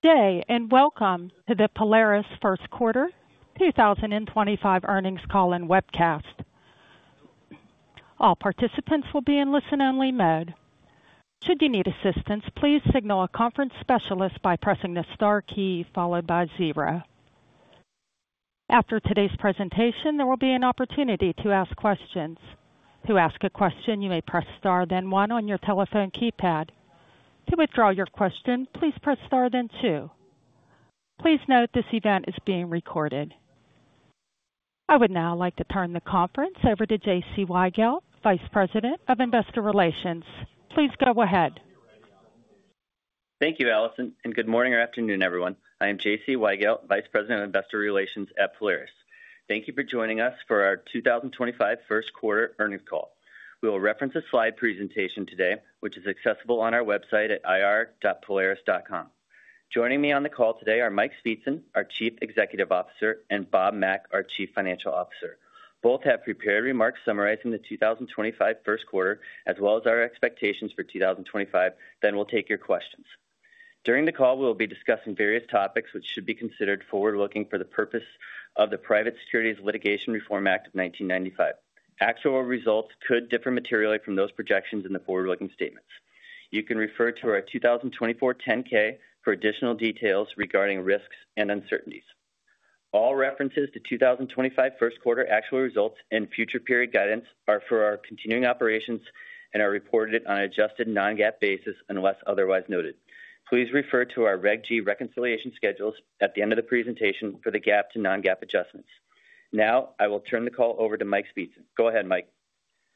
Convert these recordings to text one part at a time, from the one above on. Good day and welcome to the Polaris first quarter 2025 earnings call and webcast. All participants will be in listen-only mode. Should you need assistance, please signal a conference specialist by pressing the star key followed by zero. After today's presentation, there will be an opportunity to ask questions. To ask a question, you may press star then one on your telephone keypad. To withdraw your question, please press star then two. Please note this event is being recorded. I would now like to turn the conference over to J.C. Weigelt, Vice President of Investor Relations. Please go ahead. Thank you, Alison, and good morning or afternoon, everyone. I am J.C. Weigelt, Vice President of Investor Relations at Polaris. Thank you for joining us for our 2025 first quarter earnings call. We will reference a slide presentation today, which is accessible on our website at irpolaris.com. Joining me on the call today are Mike Speetzen, our Chief Executive Officer, and Bob Mack, our Chief Financial Officer. Both have prepared remarks summarizing the 2025 first quarter as well as our expectations for 2025, then we will take your questions. During the call, we will be discussing various topics which should be considered forward-looking for the purpose of the Private Securities Litigation Reform Act of 1995. Actual results could differ materially from those projections in the forward-looking statements. You can refer to our 2024 10-K for additional details regarding risks and uncertainties. All references to 2025 first quarter actual results and future period guidance are for our continuing operations and are reported on an adjusted non-GAAP basis unless otherwise noted. Please refer to our Reg G reconciliation schedules at the end of the presentation for the GAAP to non-GAAP adjustments. Now, I will turn the call over to Mike Speetzen. Go ahead, Mike.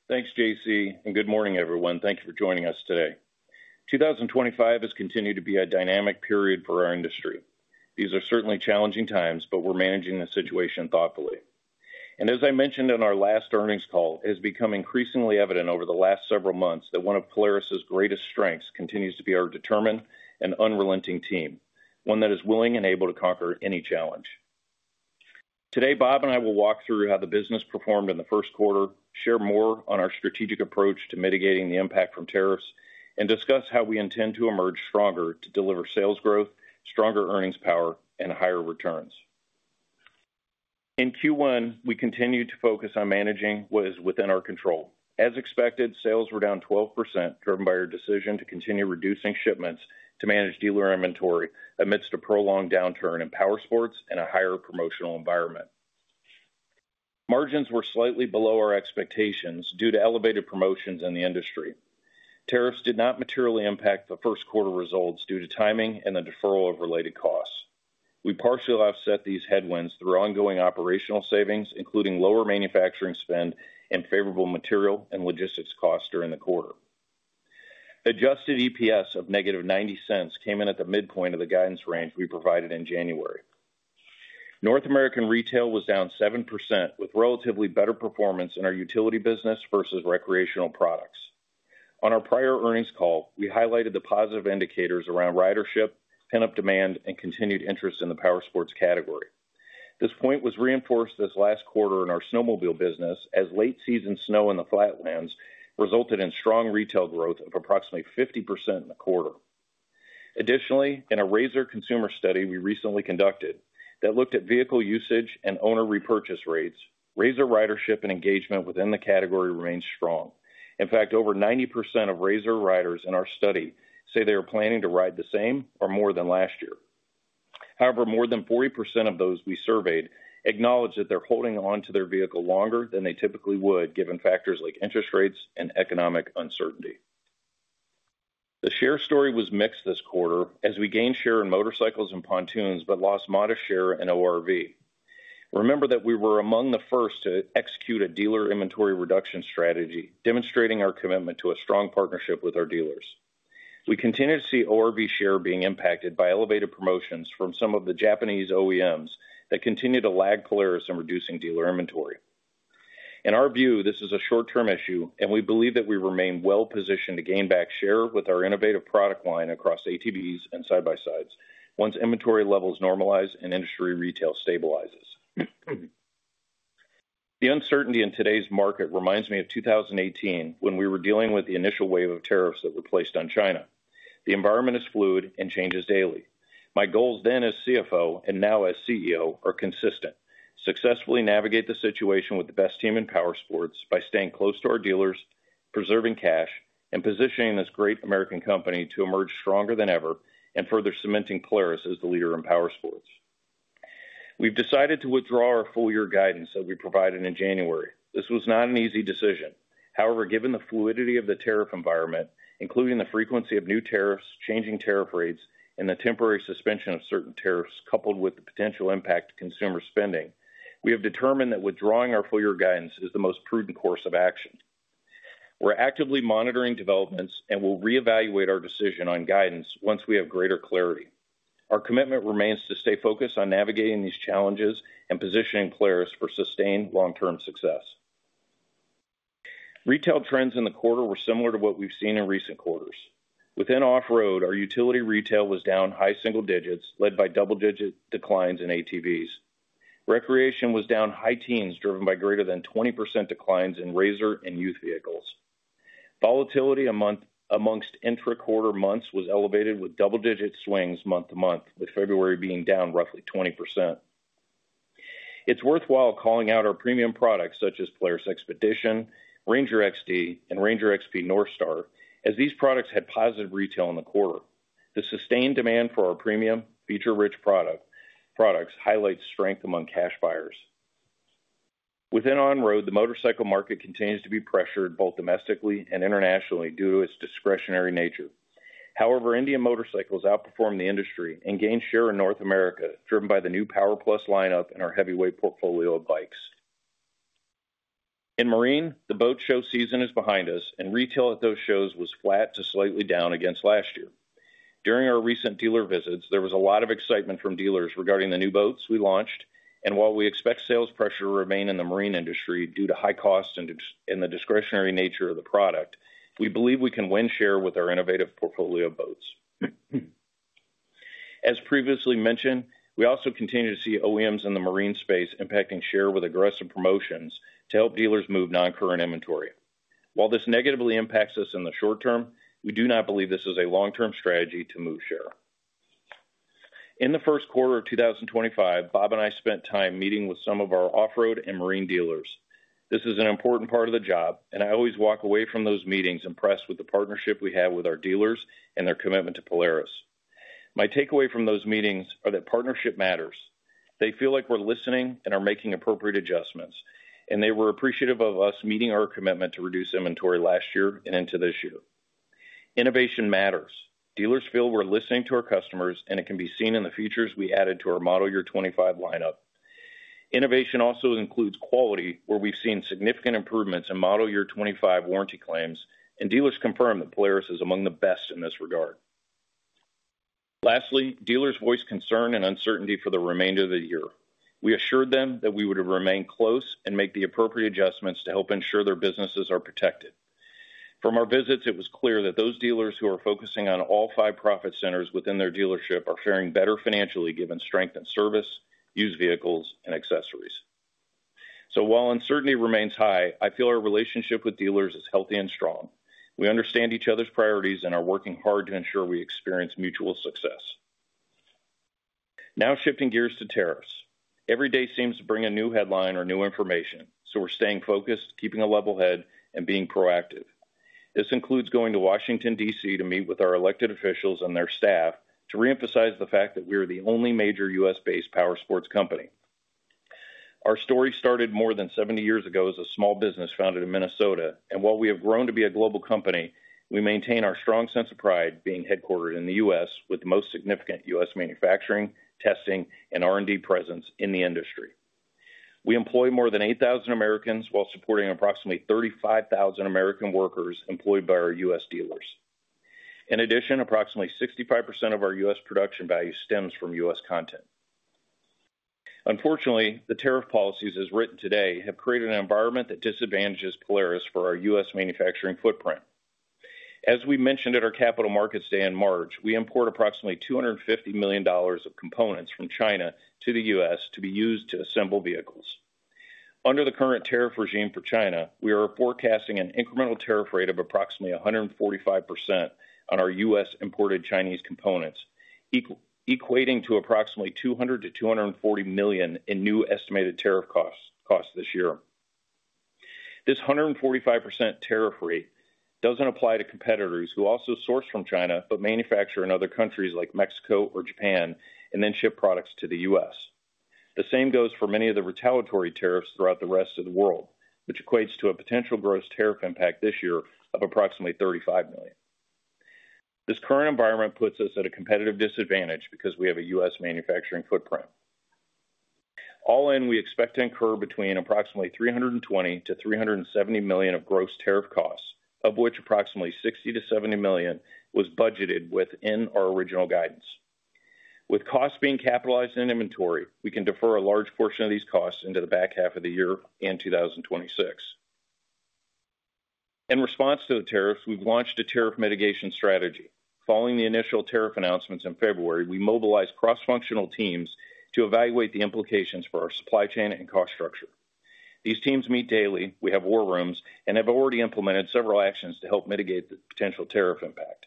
Thanks, J.C., and good morning, everyone. Thank you for joining us today. 2025 has continued to be a dynamic period for our industry. These are certainly challenging times, but we're managing the situation thoughtfully. As I mentioned in our last earnings call, it has become increasingly evident over the last several months that one of Polaris's greatest strengths continues to be our determined and unrelenting team, one that is willing and able to conquer any challenge. Today, Bob and I will walk through how the business performed in the first quarter, share more on our strategic approach to mitigating the impact from tariffs, and discuss how we intend to emerge stronger to deliver sales growth, stronger earnings power, and higher returns. In Q1, we continued to focus on managing what is within our control. As expected, sales were down 12%, driven by our decision to continue reducing shipments to manage dealer inventory amidst a prolonged downturn in power sports and a higher promotional environment. Margins were slightly below our expectations due to elevated promotions in the industry. Tariffs did not materially impact the first quarter results due to timing and the deferral of related costs. We partially offset these headwinds through ongoing operational savings, including lower manufacturing spend and favorable material and logistics costs during the quarter. Adjusted EPS of negative $0.90 came in at the midpoint of the guidance range we provided in January. North American retail was down 7%, with relatively better performance in our utility business versus recreational products. On our prior earnings call, we highlighted the positive indicators around ridership, pin-up demand, and continued interest in the power sports category. This point was reinforced this last quarter in our snowmobile business, as late-season snow in the flatlands resulted in strong retail growth of approximately 50% in the quarter. Additionally, in a RZR consumer study we recently conducted that looked at vehicle usage and owner repurchase rates, RZR ridership and engagement within the category remained strong. In fact, over 90% of RZR riders in our study say they are planning to ride the same or more than last year. However, more than 40% of those we surveyed acknowledge that they're holding on to their vehicle longer than they typically would, given factors like interest rates and economic uncertainty. The share story was mixed this quarter, as we gained share in motorcycles and pontoons but lost modest share in ORV. Remember that we were among the first to execute a dealer inventory reduction strategy, demonstrating our commitment to a strong partnership with our dealers. We continue to see ORV share being impacted by elevated promotions from some of the Japanese OEMs that continue to lag Polaris in reducing dealer inventory. In our view, this is a short-term issue, and we believe that we remain well-positioned to gain back share with our innovative product line across ATVs and side-by-sides once inventory levels normalize and industry retail stabilizes. The uncertainty in today's market reminds me of 2018 when we were dealing with the initial wave of tariffs that were placed on China. The environment is fluid and changes daily. My goals then as CFO and now as CEO are consistent: successfully navigate the situation with the best team in power sports by staying close to our dealers, preserving cash, and positioning this great American company to emerge stronger than ever and further cementing Polaris as the leader in power sports. We have decided to withdraw our full-year guidance that we provided in January. This was not an easy decision. However, given the fluidity of the tariff environment, including the frequency of new tariffs, changing tariff rates, and the temporary suspension of certain tariffs coupled with the potential impact to consumer spending, we have determined that withdrawing our full-year guidance is the most prudent course of action. We are actively monitoring developments and will reevaluate our decision on guidance once we have greater clarity. Our commitment remains to stay focused on navigating these challenges and positioning Polaris for sustained long-term success. Retail trends in the quarter were similar to what we've seen in recent quarters. Within off-road, our utility retail was down high single digits, led by double-digit declines in ATVs. Recreation was down high teens, driven by greater than 20% declines in RZR and youth vehicles. Volatility amongst intra-quarter months was elevated with double-digit swings month to month, with February being down roughly 20%. It's worthwhile calling out our premium products such as Polaris XPEDITION, Ranger XD, and Ranger XP NorthStar, as these products had positive retail in the quarter. The sustained demand for our premium, feature-rich products highlights strength among cash buyers. Within on-road, the motorcycle market continues to be pressured both domestically and internationally due to its discretionary nature. However, Indian Motorcycle outperforms the industry and gains share in North America, driven by the new Power Plus lineup and our heavyweight portfolio of bikes. In marine, the boat show season is behind us, and retail at those shows was flat to slightly down against last year. During our recent dealer visits, there was a lot of excitement from dealers regarding the new boats we launched, and while we expect sales pressure to remain in the marine industry due to high costs and the discretionary nature of the product, we believe we can win share with our innovative portfolio of boats. As previously mentioned, we also continue to see OEMs in the marine space impacting share with aggressive promotions to help dealers move non-current inventory. While this negatively impacts us in the short term, we do not believe this is a long-term strategy to move share. In the first quarter of 2025, Bob and I spent time meeting with some of our off-road and marine dealers. This is an important part of the job, and I always walk away from those meetings impressed with the partnership we have with our dealers and their commitment to Polaris. My takeaway from those meetings is that partnership matters. They feel like we're listening and are making appropriate adjustments, and they were appreciative of us meeting our commitment to reduce inventory last year and into this year. Innovation matters. Dealers feel we're listening to our customers, and it can be seen in the features we added to our Model Year 2025 lineup. Innovation also includes quality, where we've seen significant improvements in Model Year 2025 warranty claims, and dealers confirm that Polaris is among the best in this regard. Lastly, dealers voiced concern and uncertainty for the remainder of the year. We assured them that we would remain close and make the appropriate adjustments to help ensure their businesses are protected. From our visits, it was clear that those dealers who are focusing on all five profit centers within their dealership are faring better financially given strength in service, used vehicles, and accessories. While uncertainty remains high, I feel our relationship with dealers is healthy and strong. We understand each other's priorities and are working hard to ensure we experience mutual success. Now shifting gears to tariffs. Every day seems to bring a new headline or new information, so we're staying focused, keeping a level head, and being proactive. This includes going to Washington, D.C., to meet with our elected officials and their staff to reemphasize the fact that we are the only major U.S.-based powersports company. Our story started more than 70 years ago as a small business founded in Minnesota, and while we have grown to be a global company, we maintain our strong sense of pride being headquartered in the U.S. with the most significant U.S. manufacturing, testing, and R&D presence in the industry. We employ more than 8,000 Americans while supporting approximately 35,000 American workers employed by our U.S. dealers. In addition, approximately 65% of our U.S. production value stems from U.S. content. Unfortunately, the tariff policies, as written today, have created an environment that disadvantages Polaris for our U.S. manufacturing footprint. As we mentioned at our Capital Markets Day in March, we import approximately $250 million of components from China to the U.S. to be used to assemble vehicles. Under the current tariff regime for China, we are forecasting an incremental tariff rate of approximately 145% on our U.S.-imported Chinese components, equating to approximately $200 million-$240 million in new estimated tariff costs this year. This 145% tariff rate does not apply to competitors who also source from China but manufacture in other countries like Mexico or Japan and then ship products to the U.S. The same goes for many of the retaliatory tariffs throughout the rest of the world, which equates to a potential gross tariff impact this year of approximately $35 million. This current environment puts us at a competitive disadvantage because we have a U.S. manufacturing footprint. All in, we expect to incur between approximately $320 million-$370 million of gross tariff costs, of which approximately $60 million-$70 million was budgeted within our original guidance. With costs being capitalized in inventory, we can defer a large portion of these costs into the back half of the year and 2026. In response to the tariffs, we've launched a tariff mitigation strategy. Following the initial tariff announcements in February, we mobilized cross-functional teams to evaluate the implications for our supply chain and cost structure. These teams meet daily, we have war rooms, and have already implemented several actions to help mitigate the potential tariff impact.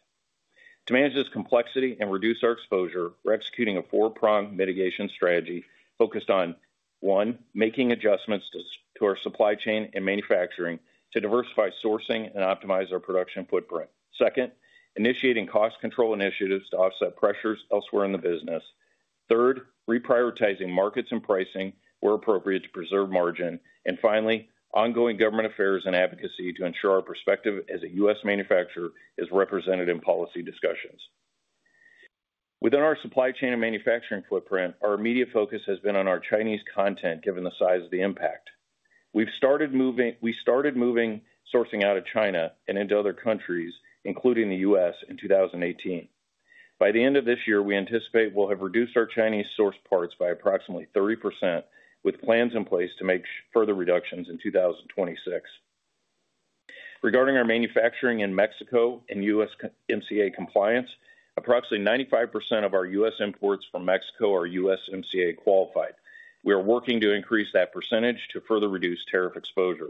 To manage this complexity and reduce our exposure, we're executing a four-prong mitigation strategy focused on: one, making adjustments to our supply chain and manufacturing to diversify sourcing and optimize our production footprint; second, initiating cost control initiatives to offset pressures elsewhere in the business; third, reprioritizing markets and pricing where appropriate to preserve margin; and finally, ongoing government affairs and advocacy to ensure our perspective as a U.S. Manufacturer is represented in policy discussions. Within our supply chain and manufacturing footprint, our immediate focus has been on our Chinese content given the size of the impact. We've started moving sourcing out of China and into other countries, including the U.S., in 2018. By the end of this year, we anticipate we'll have reduced our Chinese source parts by approximately 30%, with plans in place to make further reductions in 2026. Regarding our manufacturing in Mexico and U.S. MCA compliance, approximately 95% of our U.S. imports from Mexico are U.S. MCA qualified. We are working to increase that percentage to further reduce tariff exposure.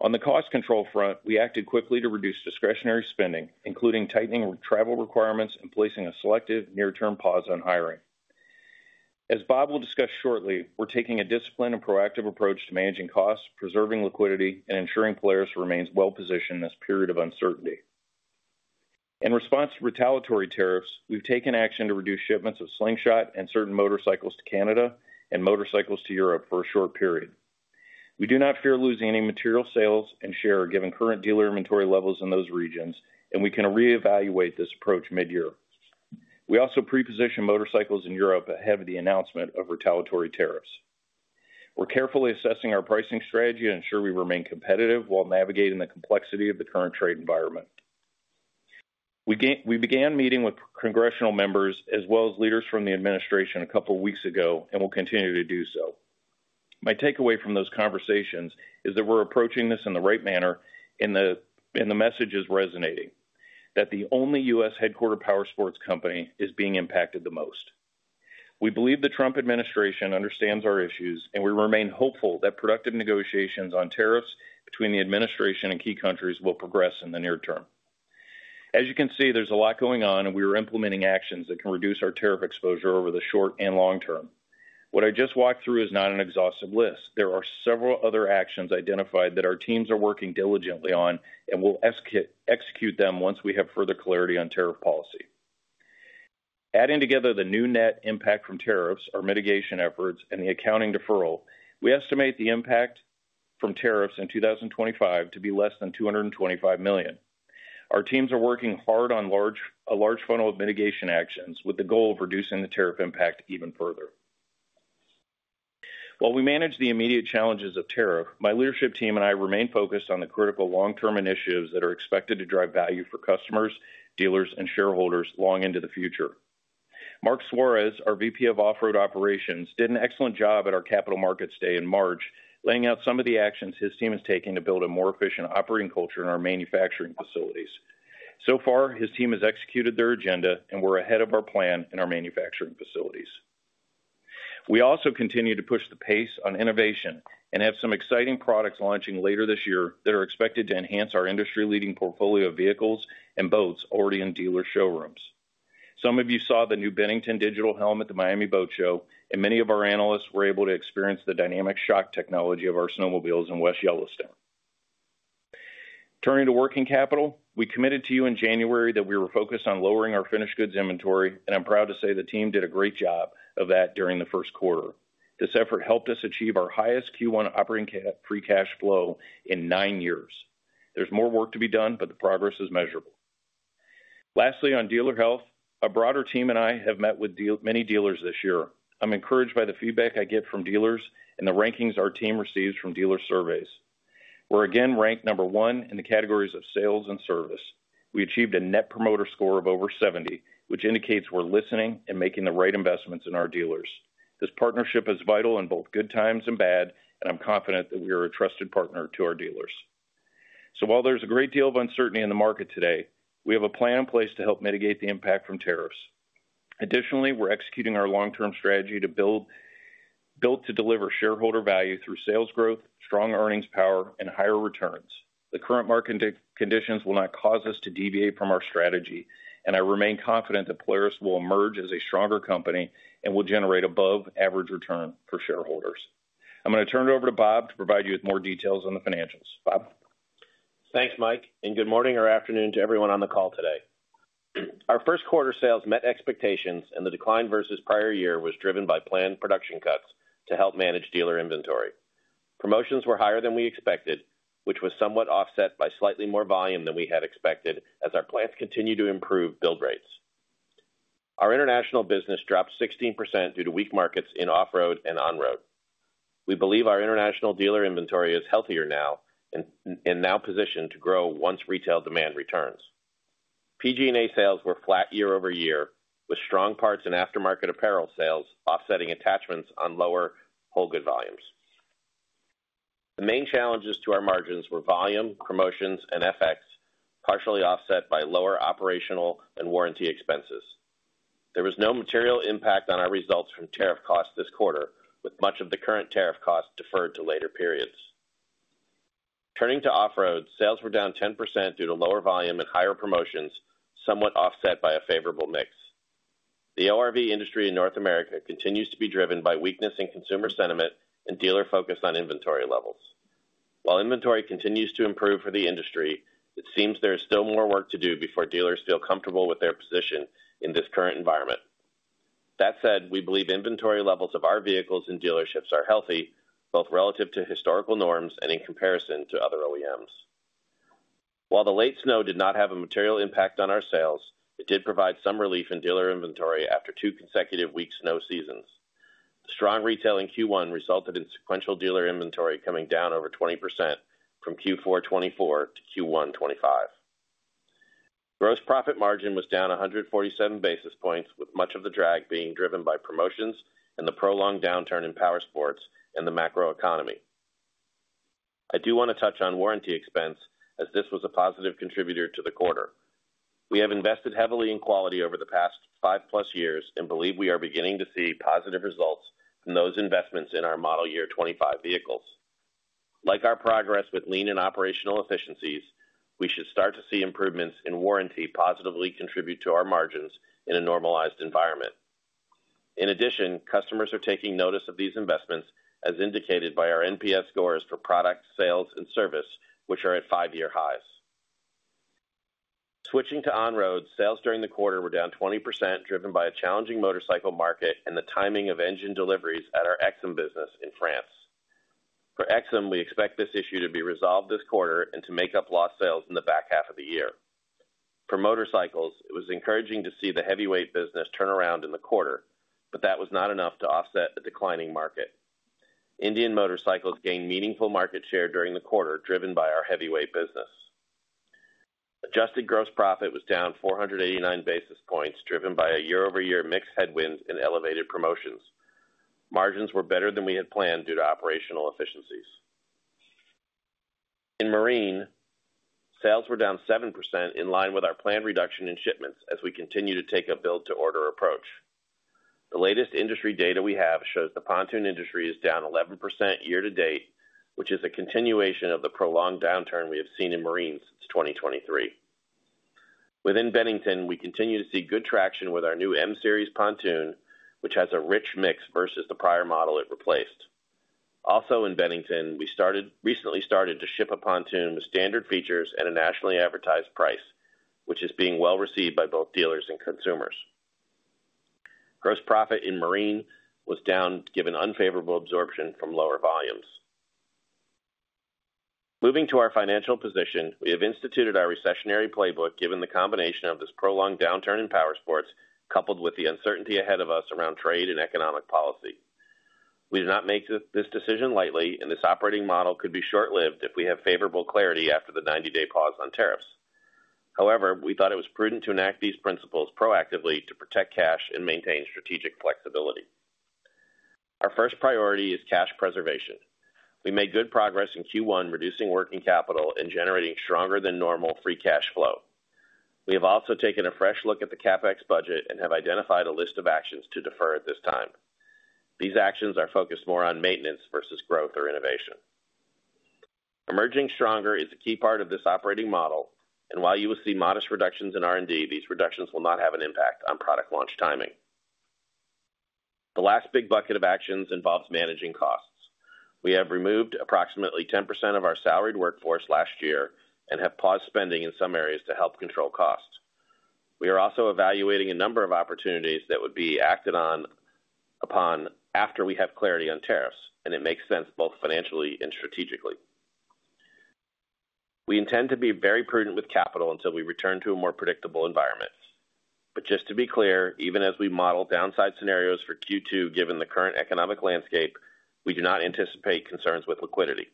On the cost control front, we acted quickly to reduce discretionary spending, including tightening travel requirements and placing a selective near-term pause on hiring. As Bob will discuss shortly, we're taking a disciplined and proactive approach to managing costs, preserving liquidity, and ensuring Polaris remains well-positioned in this period of uncertainty. In response to retaliatory tariffs, we've taken action to reduce shipments of Slingshot and certain motorcycles to Canada and motorcycles to Europe for a short period. We do not fear losing any material sales and share given current dealer inventory levels in those regions, and we can reevaluate this approach mid-year. We also prepositioned motorcycles in Europe ahead of the announcement of retaliatory tariffs. We're carefully assessing our pricing strategy to ensure we remain competitive while navigating the complexity of the current trade environment. We began meeting with congressional members as well as leaders from the administration a couple of weeks ago and will continue to do so. My takeaway from those conversations is that we're approaching this in the right manner and the message is resonating: that the only U.S. headquartered powersports company is being impacted the most. We believe the Trump administration understands our issues, and we remain hopeful that productive negotiations on tariffs between the administration and key countries will progress in the near term. As you can see, there's a lot going on, and we are implementing actions that can reduce our tariff exposure over the short and long term. What I just walked through is not an exhaustive list. There are several other actions identified that our teams are working diligently on, and we'll execute them once we have further clarity on tariff policy. Adding together the new net impact from tariffs, our mitigation efforts, and the accounting deferral, we estimate the impact from tariffs in 2025 to be less than $225 million. Our teams are working hard on a large funnel of mitigation actions with the goal of reducing the tariff impact even further. While we manage the immediate challenges of tariff, my leadership team and I remain focused on the critical long-term initiatives that are expected to drive value for customers, dealers, and shareholders long into the future. Mark Suarez, our Vice President of Off-Road Operations, did an excellent job at our Capital Markets Day in March, laying out some of the actions his team is taking to build a more efficient operating culture in our manufacturing facilities. So far, his team has executed their agenda, and we're ahead of our plan in our manufacturing facilities. We also continue to push the pace on innovation and have some exciting products launching later this year that are expected to enhance our industry-leading portfolio of vehicles and boats already in dealer showrooms. Some of you saw the new Bennington digital helm at the Miami Boat Show, and many of our analysts were able to experience the dynamic shock technology of our snowmobiles in West Yellowstone. Turning to working capital, we committed to you in January that we were focused on lowering our finished goods inventory, and I'm proud to say the team did a great job of that during the first quarter. This effort helped us achieve our highest Q1 operating free cash flow in nine years. There's more work to be done, but the progress is measurable. Lastly, on dealer health, a broader team and I have met with many dealers this year. I'm encouraged by the feedback I get from dealers and the rankings our team receives from dealer surveys. We're again ranked number one in the categories of sales and service. We achieved a net promoter score of over 70%, which indicates we're listening and making the right investments in our dealers. This partnership is vital in both good times and bad, and I'm confident that we are a trusted partner to our dealers. While there's a great deal of uncertainty in the market today, we have a plan in place to help mitigate the impact from tariffs. Additionally, we're executing our long-term strategy to deliver shareholder value through sales growth, strong earnings power, and higher returns. The current market conditions will not cause us to deviate from our strategy, and I remain confident that Polaris will emerge as a stronger company and will generate above-average return for shareholders. I'm going to turn it over to Bob to provide you with more details on the financials. Bob? Thanks, Mike, and good morning or afternoon to everyone on the call today. Our first quarter sales met expectations, and the decline versus prior year was driven by planned production cuts to help manage dealer inventory. Promotions were higher than we expected, which was somewhat offset by slightly more volume than we had expected as our plants continue to improve build rates. Our international business dropped 16% due to weak markets in off-road and on-road. We believe our international dealer inventory is healthier now and now positioned to grow once retail demand returns. PG&A sales were flat year over year, with strong parts and aftermarket apparel sales offsetting attachments on lower whole goods volumes. The main challenges to our margins were volume, promotions, and FX partially offset by lower operational and warranty expenses. There was no material impact on our results from tariff costs this quarter, with much of the current tariff costs deferred to later periods. Turning to off-road, sales were down 10% due to lower volume and higher promotions, somewhat offset by a favorable mix. The ORV industry in North America continues to be driven by weakness in consumer sentiment and dealer focus on inventory levels. While inventory continues to improve for the industry, it seems there is still more work to do before dealers feel comfortable with their position in this current environment. That said, we believe inventory levels of our vehicles and dealerships are healthy, both relative to historical norms and in comparison to other OEMs. While the late snow did not have a material impact on our sales, it did provide some relief in dealer inventory after two consecutive weeks' snow seasons. Strong retail in Q1 resulted in sequential dealer inventory coming down over 20% from Q4 2024 to Q1 2025. Gross profit margin was down 147 basis points, with much of the drag being driven by promotions and the prolonged downturn in power sports and the macro economy. I do want to touch on warranty expense, as this was a positive contributor to the quarter. We have invested heavily in quality over the past five-plus years and believe we are beginning to see positive results from those investments in our model year 2025 vehicles. Like our progress with lean and operational efficiencies, we should start to see improvements in warranty positively contribute to our margins in a normalized environment. In addition, customers are taking notice of these investments, as indicated by our NPS scores for product, sales, and service, which are at five-year highs. Switching to on-road, sales during the quarter were down 20%, driven by a challenging motorcycle market and the timing of engine deliveries at our EXIM business in France. For EXIM, we expect this issue to be resolved this quarter and to make up lost sales in the back half of the year. For motorcycles, it was encouraging to see the heavyweight business turn around in the quarter, but that was not enough to offset the declining market. Indian Motorcycle gained meaningful market share during the quarter, driven by our heavyweight business. Adjusted gross profit was down 489 basis points, driven by a year-over-year mixed headwinds and elevated promotions. Margins were better than we had planned due to operational efficiencies. In marine, sales were down 7% in line with our planned reduction in shipments as we continue to take a build-to-order approach. The latest industry data we have shows the pontoon industry is down 11% year-to-date, which is a continuation of the prolonged downturn we have seen in marine since 2023. Within Bennington, we continue to see good traction with our new M-Series pontoon, which has a rich mix versus the prior model it replaced. Also in Bennington, we recently started to ship a pontoon with standard features and a nationally advertised price, which is being well-received by both dealers and consumers. Gross profit in marine was down given unfavorable absorption from lower volumes. Moving to our financial position, we have instituted our recessionary playbook given the combination of this prolonged downturn in power sports coupled with the uncertainty ahead of us around trade and economic policy. We do not make this decision lightly, and this operating model could be short-lived if we have favorable clarity after the 90-day pause on tariffs. However, we thought it was prudent to enact these principles proactively to protect cash and maintain strategic flexibility. Our first priority is cash preservation. We made good progress in Q1 reducing working capital and generating stronger-than-normal free cash flow. We have also taken a fresh look at the CapEx budget and have identified a list of actions to defer at this time. These actions are focused more on maintenance versus growth or innovation. Emerging stronger is a key part of this operating model, and while you will see modest reductions in R&D, these reductions will not have an impact on product launch timing. The last big bucket of actions involves managing costs. We have removed approximately 10% of our salaried workforce last year and have paused spending in some areas to help control costs. We are also evaluating a number of opportunities that would be acted on upon after we have clarity on tariffs, and it makes sense both financially and strategically. We intend to be very prudent with capital until we return to a more predictable environment. Just to be clear, even as we model downside scenarios for Q2 given the current economic landscape, we do not anticipate concerns with liquidity.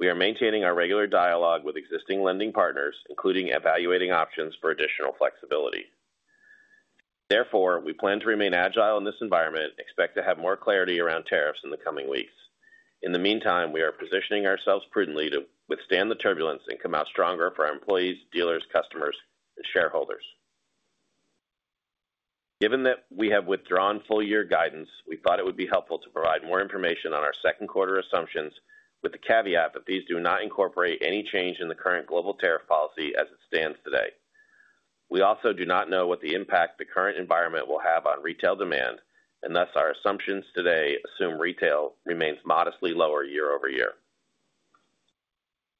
We are maintaining our regular dialogue with existing lending partners, including evaluating options for additional flexibility. Therefore, we plan to remain agile in this environment and expect to have more clarity around tariffs in the coming weeks. In the meantime, we are positioning ourselves prudently to withstand the turbulence and come out stronger for our employees, dealers, customers, and shareholders. Given that we have withdrawn full-year guidance, we thought it would be helpful to provide more information on our second quarter assumptions with the caveat that these do not incorporate any change in the current global tariff policy as it stands today. We also do not know what the impact the current environment will have on retail demand, and thus our assumptions today assume retail remains modestly lower year-over-year.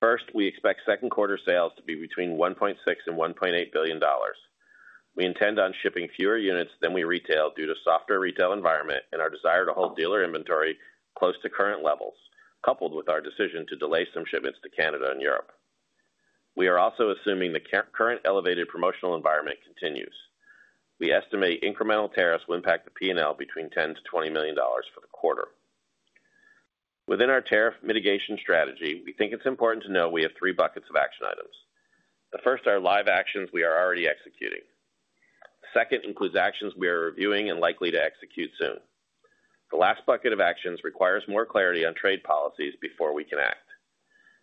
First, we expect second quarter sales to be between $1.6 billion and $1.8 billion. We intend on shipping fewer units than we retail due to a softer retail environment and our desire to hold dealer inventory close to current levels, coupled with our decision to delay some shipments to Canada and Europe. We are also assuming the current elevated promotional environment continues. We estimate incremental tariffs will impact the P&L between $10 million-$20 million for the quarter. Within our tariff mitigation strategy, we think it's important to know we have three buckets of action items. The first are live actions we are already executing. The second includes actions we are reviewing and likely to execute soon. The last bucket of actions requires more clarity on trade policies before we can act.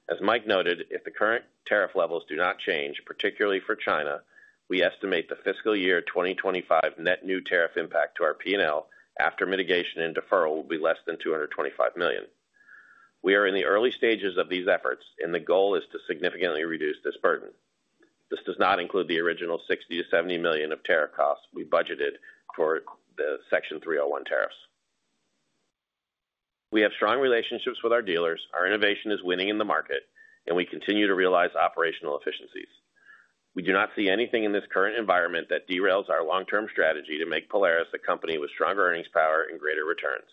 As Mike noted, if the current tariff levels do not change, particularly for China, we estimate the fiscal year 2025 net new tariff impact to our P&L after mitigation and deferral will be less than $225 million. We are in the early stages of these efforts, and the goal is to significantly reduce this burden. This does not include the original $60-$70 million of tariff costs we budgeted for the Section 301 tariffs. We have strong relationships with our dealers, our innovation is winning in the market, and we continue to realize operational efficiencies. We do not see anything in this current environment that derails our long-term strategy to make Polaris a company with stronger earnings power and greater returns.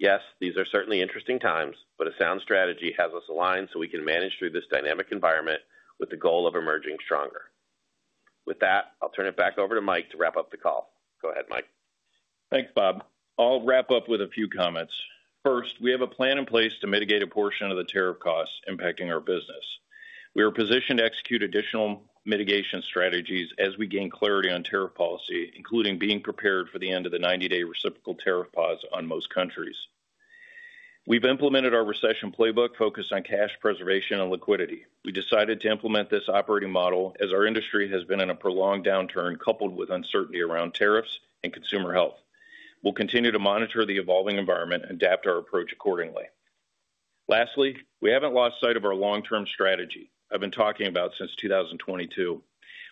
Yes, these are certainly interesting times, but a sound strategy has us aligned so we can manage through this dynamic environment with the goal of emerging stronger. With that, I'll turn it back over to Mike to wrap up the call. Go ahead, Mike. Thanks, Bob. I'll wrap up with a few comments. First, we have a plan in place to mitigate a portion of the tariff costs impacting our business. We are positioned to execute additional mitigation strategies as we gain clarity on tariff policy, including being prepared for the end of the 90-day reciprocal tariff pause on most countries. We've implemented our recession playbook focused on cash preservation and liquidity. We decided to implement this operating model as our industry has been in a prolonged downturn coupled with uncertainty around tariffs and consumer health. We'll continue to monitor the evolving environment and adapt our approach accordingly. Lastly, we haven't lost sight of our long-term strategy, I've been talking about since 2022.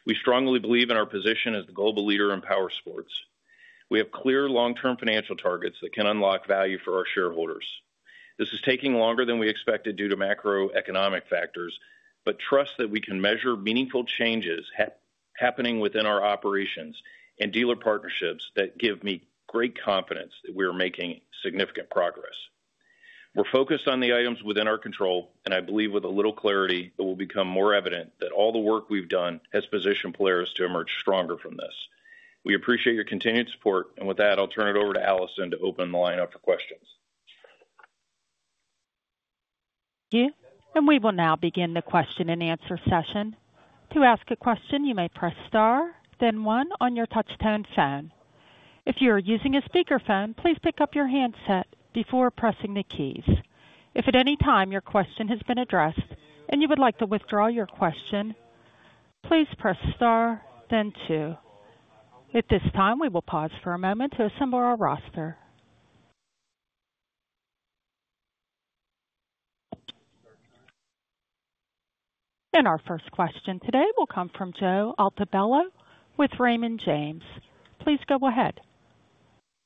We strongly believe in our position as the global leader in power sports. We have clear long-term financial targets that can unlock value for our shareholders. This is taking longer than we expected due to macroeconomic factors, but trust that we can measure meaningful changes happening within our operations and dealer partnerships that give me great confidence that we are making significant progress. We're focused on the items within our control, and I believe with a little clarity, it will become more evident that all the work we've done has positioned Polaris to emerge stronger from this. We appreciate your continued support, and with that, I'll turn it over to Alison to open the line up for questions. Thank you. We will now begin the question and answer session. To ask a question, you may press star, then one on your touch-tone phone. If you are using a speakerphone, please pick up your handset before pressing the keys. If at any time your question has been addressed and you would like to withdraw your question, please press star, then two. At this time, we will pause for a moment to assemble our roster. Our first question today will come from Joe Altobello with Raymond James. Please go ahead.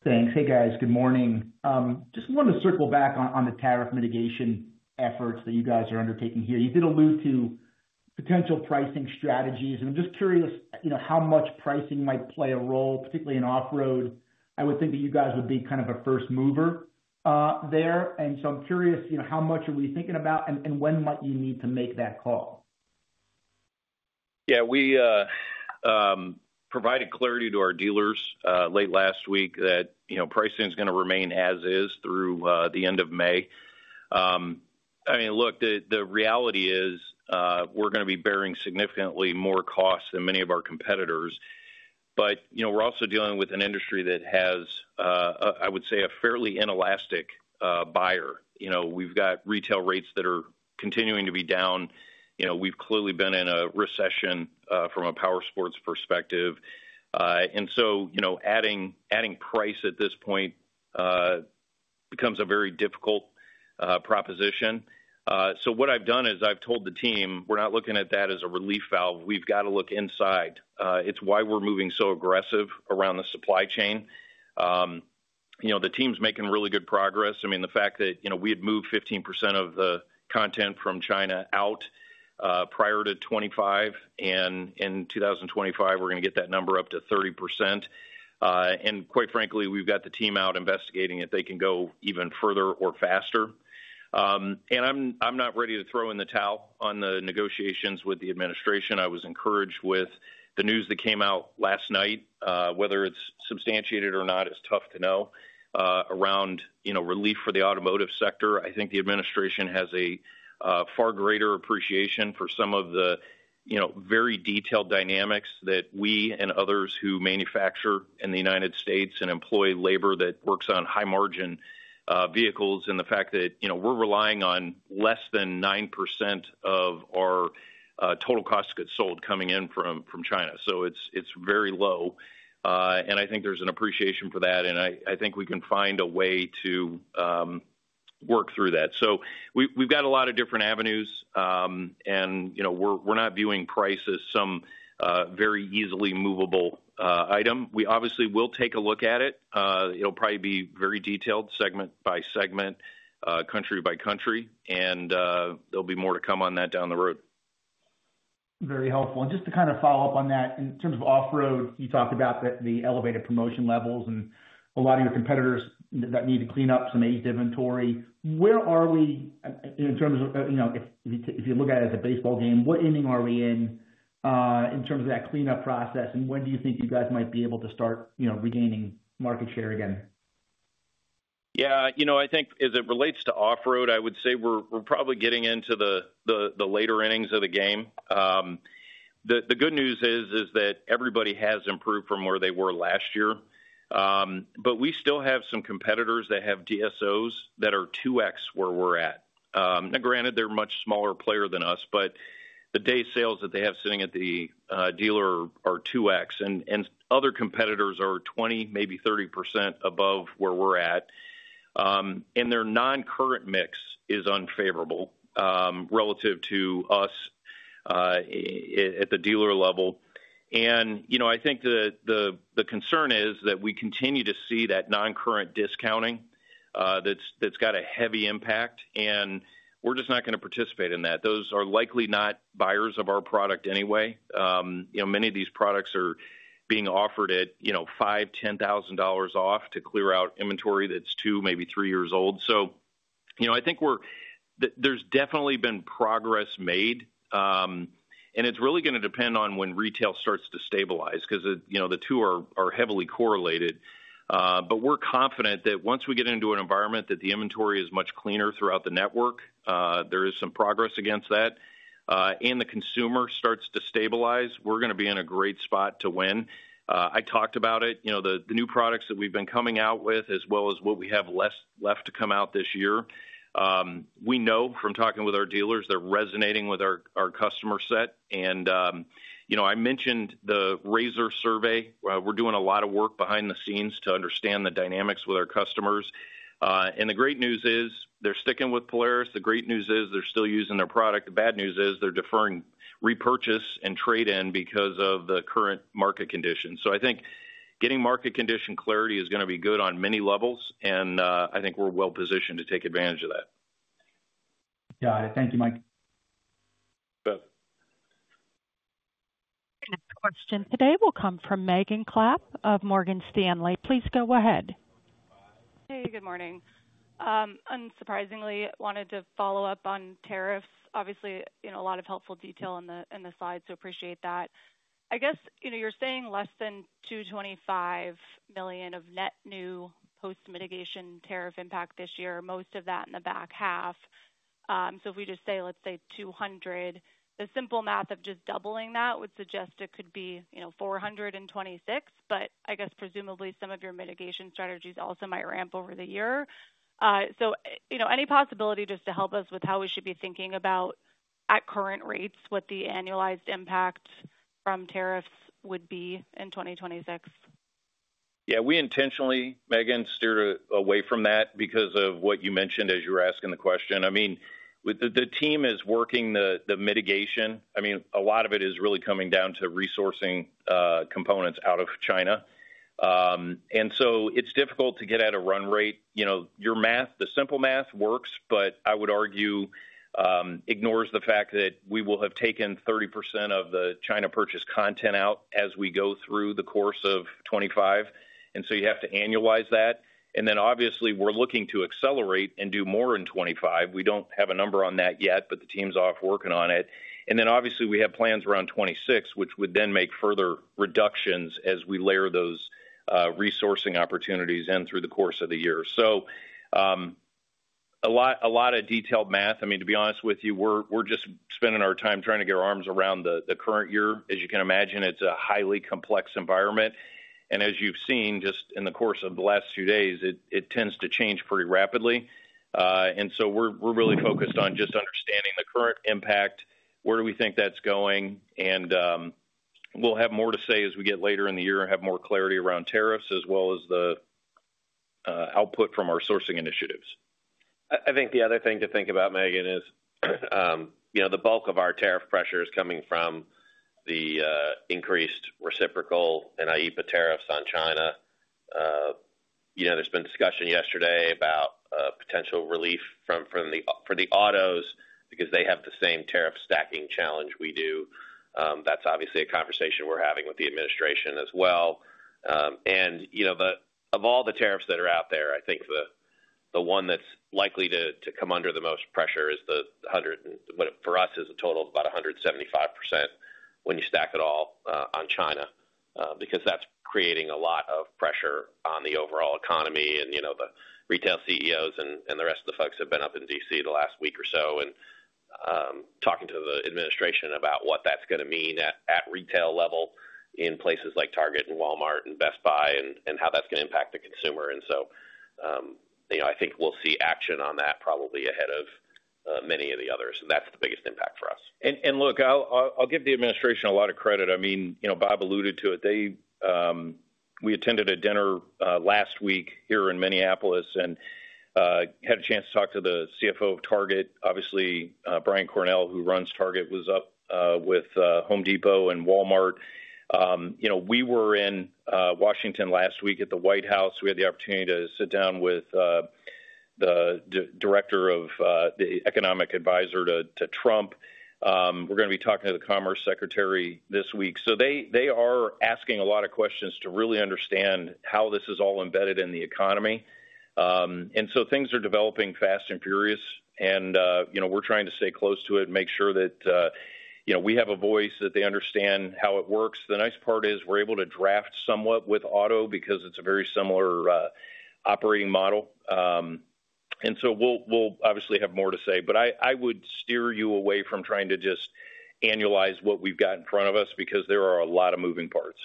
Thanks. Hey, guys. Good morning. Just wanted to circle back on the tariff mitigation efforts that you guys are undertaking here. You did allude to potential pricing strategies, and I am just curious how much pricing might play a role, particularly in off-road. I would think that you guys would be kind of a first mover there. I am curious how much are we thinking about, and when might you need to make that call? Yeah. We provided clarity to our dealers late last week that pricing is going to remain as is through the end of May. I mean, look, the reality is we're going to be bearing significantly more costs than many of our competitors. But we're also dealing with an industry that has, I would say, a fairly inelastic buyer. We've got retail rates that are continuing to be down. We've clearly been in a recession from a powersports perspective. Adding price at this point becomes a very difficult proposition. What I've done is I've told the team, "We're not looking at that as a relief valve. We've got to look inside." It's why we're moving so aggressive around the supply chain. The team's making really good progress. I mean, the fact that we had moved 15% of the content from China out prior to 2025, and in 2025, we're going to get that number up to 30%. Quite frankly, we've got the team out investigating if they can go even further or faster. I'm not ready to throw in the towel on the negotiations with the administration. I was encouraged with the news that came out last night. Whether it's substantiated or not is tough to know. Around relief for the automotive sector, I think the administration has a far greater appreciation for some of the very detailed dynamics that we and others who manufacture in the United States and employ labor that works on high-margin vehicles and the fact that we're relying on less than 9% of our total costs to get sold coming in from China. It is very low. I think there's an appreciation for that, and I think we can find a way to work through that. We have got a lot of different avenues, and we are not viewing price as some very easily movable item. We obviously will take a look at it. It will probably be very detailed, segment by segment, country by country, and there will be more to come on that down the road. Very helpful. Just to kind of follow up on that, in terms of off-road, you talked about the elevated promotion levels and a lot of your competitors that need to clean up some eight inventory. Where are we in terms of if you look at it as a baseball game, what inning are we in in terms of that cleanup process, and when do you think you guys might be able to start regaining market share again? Yeah. I think as it relates to off-road, I would say we are probably getting into the later innings of the game. The good news is that everybody has improved from where they were last year. We still have some competitors that have DSOs that are 2X where we're at. Now, granted, they're a much smaller player than us, but the day sales that they have sitting at the dealer are 2X, and other competitors are 20-30% above where we're at. Their non-current mix is unfavorable relative to us at the dealer level. I think the concern is that we continue to see that non-current discounting that's got a heavy impact, and we're just not going to participate in that. Those are likely not buyers of our product anyway. Many of these products are being offered at $5,000, $10,000 off to clear out inventory that's two, maybe three years old. I think there's definitely been progress made, and it's really going to depend on when retail starts to stabilize because the two are heavily correlated. We're confident that once we get into an environment that the inventory is much cleaner throughout the network, there is some progress against that, and the consumer starts to stabilize, we're going to be in a great spot to win. I talked about it. The new products that we've been coming out with, as well as what we have left to come out this year, we know from talking with our dealers they're resonating with our customer set. I mentioned the Razor survey. We're doing a lot of work behind the scenes to understand the dynamics with our customers. The great news is they're sticking with Polaris. The great news is they're still using their product. The bad news is they're deferring repurchase and trade-in because of the current market conditions. I think getting market condition clarity is going to be good on many levels, and I think we're well-positioned to take advantage of that. Got it. Thank you, Mike. Next question today will come from Megan Clapp of Morgan Stanley. Please go ahead. Hey, good morning. Unsurprisingly, I wanted to follow up on tariffs. Obviously, a lot of helpful detail on the slides, so appreciate that. I guess you're saying less than $225 million of net new post-mitigation tariff impact this year, most of that in the back half. If we just say, let's say, $200, the simple math of just doubling that would suggest it could be $426, but I guess presumably some of your mitigation strategies also might ramp over the year. Any possibility just to help us with how we should be thinking about at current rates what the annualized impact from tariffs would be in 2026? Yeah. We intentionally, Megan, steered away from that because of what you mentioned as you were asking the question. I mean, the team is working the mitigation. I mean, a lot of it is really coming down to resourcing components out of China. It is difficult to get at a run rate. Your math, the simple math works, but I would argue ignores the fact that we will have taken 30% of the China purchase content out as we go through the course of 2025. You have to annualize that. Obviously, we are looking to accelerate and do more in 2025. We do not have a number on that yet, but the team's off working on it. Obviously, we have plans around 2026, which would then make further reductions as we layer those resourcing opportunities in through the course of the year. A lot of detailed math. I mean, to be honest with you, we're just spending our time trying to get our arms around the current year. As you can imagine, it's a highly complex environment. As you've seen just in the course of the last two days, it tends to change pretty rapidly. We're really focused on just understanding the current impact, where do we think that's going, and we'll have more to say as we get later in the year and have more clarity around tariffs as well as the output from our sourcing initiatives. I think the other thing to think about, Megan, is the bulk of our tariff pressure is coming from the increased reciprocal and AIPA tariffs on China. There has been discussion yesterday about potential relief for the autos because they have the same tariff stacking challenge we do. That is obviously a conversation we are having with the administration as well. Of all the tariffs that are out there, I think the one that is likely to come under the most pressure is the 100, for us, is a total of about 175% when you stack it all on China because that is creating a lot of pressure on the overall economy. The retail CEOs and the rest of the folks have been up in D.C. the last week or so talking to the administration about what that is going to mean at the retail level in places like Target and Walmart and Best Buy and how that is going to impact the consumer. I think we will see action on that probably ahead of many of the others. That is the biggest impact for us. I will give the administration a lot of credit. I mean, Bob alluded to it. We attended a dinner last week here in Minneapolis and had a chance to talk to the CFO of Target. Obviously, Brian Cornell, who runs Target, was up with Home Depot and Walmart. We were in Washington last week at the White House. We had the opportunity to sit down with the director of the economic advisor to Trump. We're going to be talking to the Commerce Secretary this week. They are asking a lot of questions to really understand how this is all embedded in the economy. Things are developing fast and furious, and we're trying to stay close to it and make sure that we have a voice that they understand how it works. The nice part is we're able to draft somewhat with auto because it's a very similar operating model. We'll obviously have more to say. I would steer you away from trying to just annualize what we've got in front of us because there are a lot of moving parts.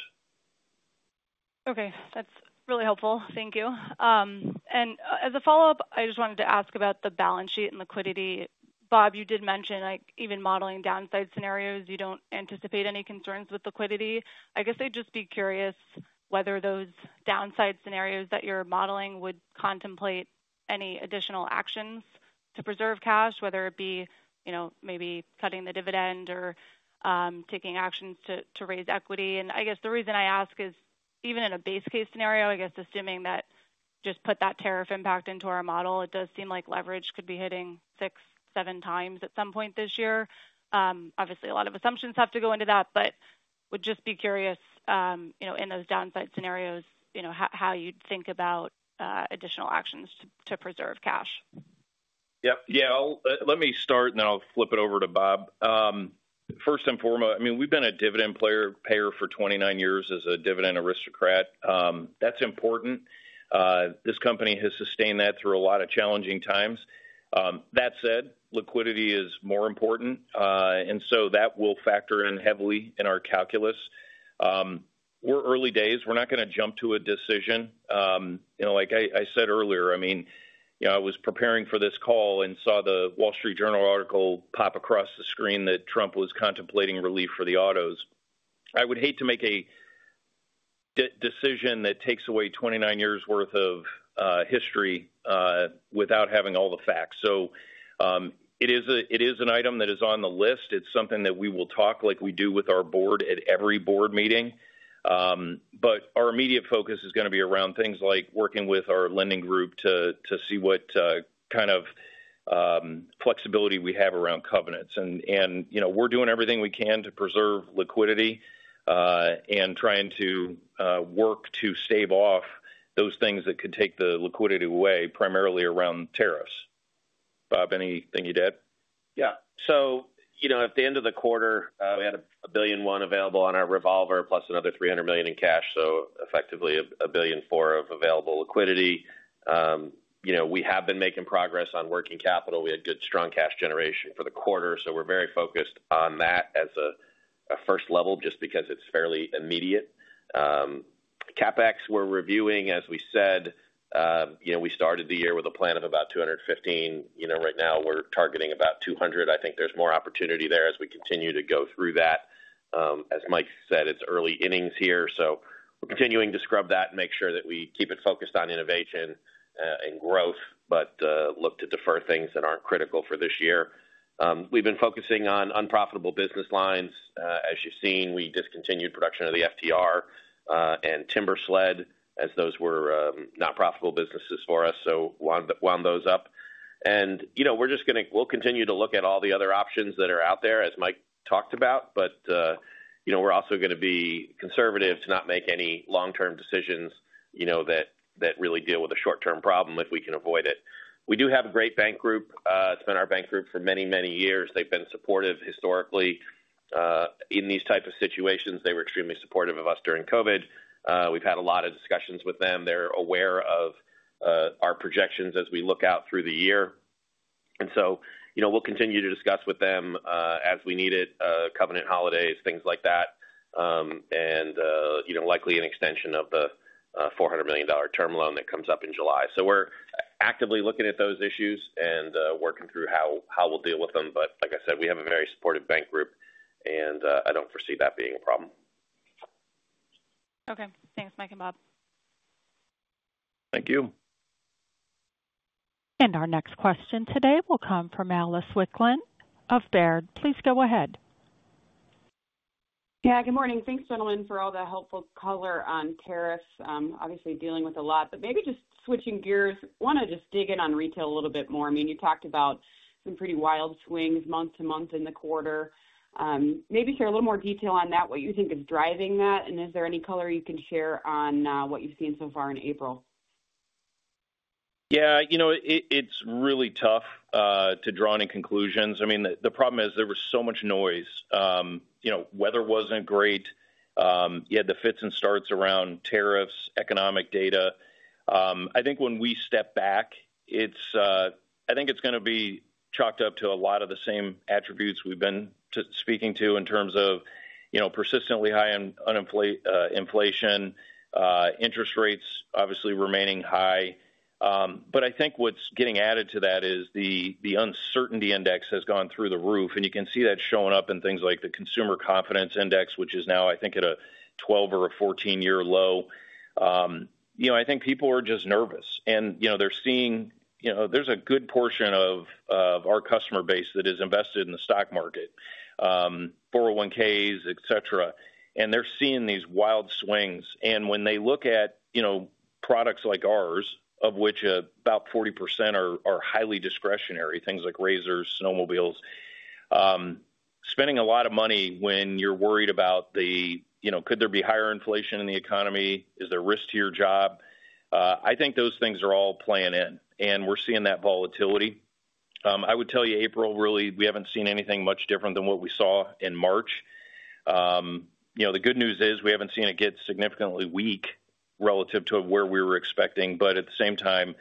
Okay. That's really helpful. Thank you. As a follow-up, I just wanted to ask about the balance sheet and liquidity. Bob, you did mention even modeling downside scenarios. You do not anticipate any concerns with liquidity. I guess I'd just be curious whether those downside scenarios that you're modeling would contemplate any additional actions to preserve cash, whether it be maybe cutting the dividend or taking actions to raise equity. I guess the reason I ask is even in a base case scenario, I guess assuming that just put that tariff impact into our model, it does seem like leverage could be hitting six, seven times at some point this year. Obviously, a lot of assumptions have to go into that, but would just be curious in those downside scenarios how you'd think about additional actions to preserve cash. Yep. Yeah. Let me start, and then I'll flip it over to Bob. First and foremost, I mean, we've been a dividend payer for 29 years as a dividend aristocrat. That's important. This company has sustained that through a lot of challenging times. That said, liquidity is more important, and so that will factor in heavily in our calculus. We're early days. We're not going to jump to a decision. Like I said earlier, I mean, I was preparing for this call and saw the Wall Street Journal article pop across the screen that Trump was contemplating relief for the autos. I would hate to make a decision that takes away 29 years' worth of history without having all the facts. It is an item that is on the list. It's something that we will talk like we do with our board at every board meeting. Our immediate focus is going to be around things like working with our lending group to see what kind of flexibility we have around covenants. We're doing everything we can to preserve liquidity and trying to work to stave off those things that could take the liquidity away, primarily around tariffs. Bob, anything you'd add? Yeah. At the end of the quarter, we had $1.1 billion available on our revolver, plus another $300 million in cash. Effectively, $1.4 billion of available liquidity. We have been making progress on working capital. We had good strong cash generation for the quarter. We're very focused on that as a first level just because it's fairly immediate. CapEx, we're reviewing, as we said. We started the year with a plan of about $215 million. Right now, we're targeting about $200 million. I think there's more opportunity there as we continue to go through that. As Mike said, it's early innings here. We're continuing to scrub that and make sure that we keep it focused on innovation and growth, but look to defer things that aren't critical for this year. We've been focusing on unprofitable business lines. As you've seen, we discontinued production of the FTR and Timber Sled as those were nonprofitable businesses for us, so wound those up. We're just going to continue to look at all the other options that are out there, as Mike talked about, but we're also going to be conservative to not make any long-term decisions that really deal with a short-term problem if we can avoid it. We do have a great bank group. It's been our bank group for many, many years. They've been supportive historically. In these types of situations, they were extremely supportive of us during COVID. We've had a lot of discussions with them. They're aware of our projections as we look out through the year. We'll continue to discuss with them as we need it, covenant holidays, things like that, and likely an extension of the $400 million term loan that comes up in July. We're actively looking at those issues and working through how we'll deal with them. Like I said, we have a very supportive bank group, and I don't foresee that being a problem. Okay. Thanks, Mike and Bob. Thank you. Our next question today will come from Alice Wycklendt of Baird. Please go ahead. Yeah. Good morning. Thanks, Gentlemen, for all the helpful color on tariffs. Obviously, dealing with a lot, but maybe just switching gears, want to just dig in on retail a little bit more. I mean, you talked about some pretty wild swings month to month in the quarter. Maybe share a little more detail on that, what you think is driving that, and is there any color you can share on what you've seen so far in April? Yeah. It's really tough to draw any conclusions. I mean, the problem is there was so much noise. Weather wasn't great. You had the fits and starts around tariffs, economic data. I think when we step back, I think it's going to be chalked up to a lot of the same attributes we've been speaking to in terms of persistently high inflation, interest rates obviously remaining high. I think what's getting added to that is the uncertainty index has gone through the roof, and you can see that showing up in things like the consumer confidence index, which is now, I think, at a 12 or a 14-year low. I think people are just nervous, and they're seeing there's a good portion of our customer base that is invested in the stock market, 401(k)s, etc. They're seeing these wild swings. When they look at products like ours, of which about 40% are highly discretionary, things like RZR, snowmobiles, spending a lot of money when you're worried about the could there be higher inflation in the economy? Is there risk to your job? I think those things are all playing in, and we're seeing that volatility. I would tell you April, really, we haven't seen anything much different than what we saw in March. The good news is we haven't seen it get significantly weak relative to where we were expecting, but at the same time,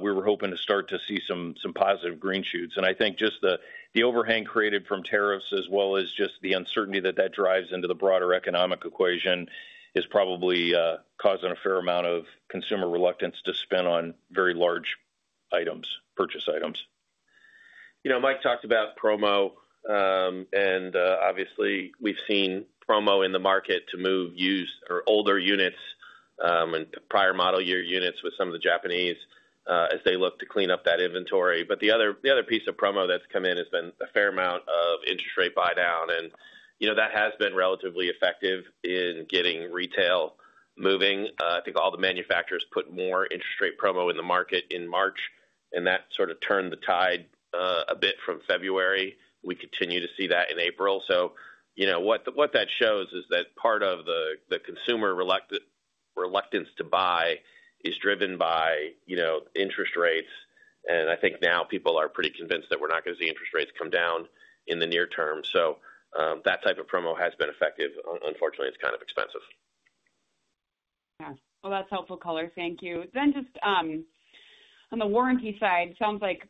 we were hoping to start to see some positive green shoots. I think just the overhang created from tariffs, as well as just the uncertainty that that drives into the broader economic equation, is probably causing a fair amount of consumer reluctance to spend on very large items, purchase items. Mike talked about promo, and obviously, we've seen promo in the market to move used or older units and prior model year units with some of the Japanese as they look to clean up that inventory. The other piece of promo that's come in has been a fair amount of interest rate buy down, and that has been relatively effective in getting retail moving. I think all the manufacturers put more interest rate promo in the market in March, and that sort of turned the tide a bit from February. We continue to see that in April. What that shows is that part of the consumer reluctance to buy is driven by interest rates. I think now people are pretty convinced that we're not going to see interest rates come down in the near term. That type of promo has been effective. Unfortunately, it's kind of expensive. Yeah. That's helpful color. Thank you. Just on the warranty side, it sounds like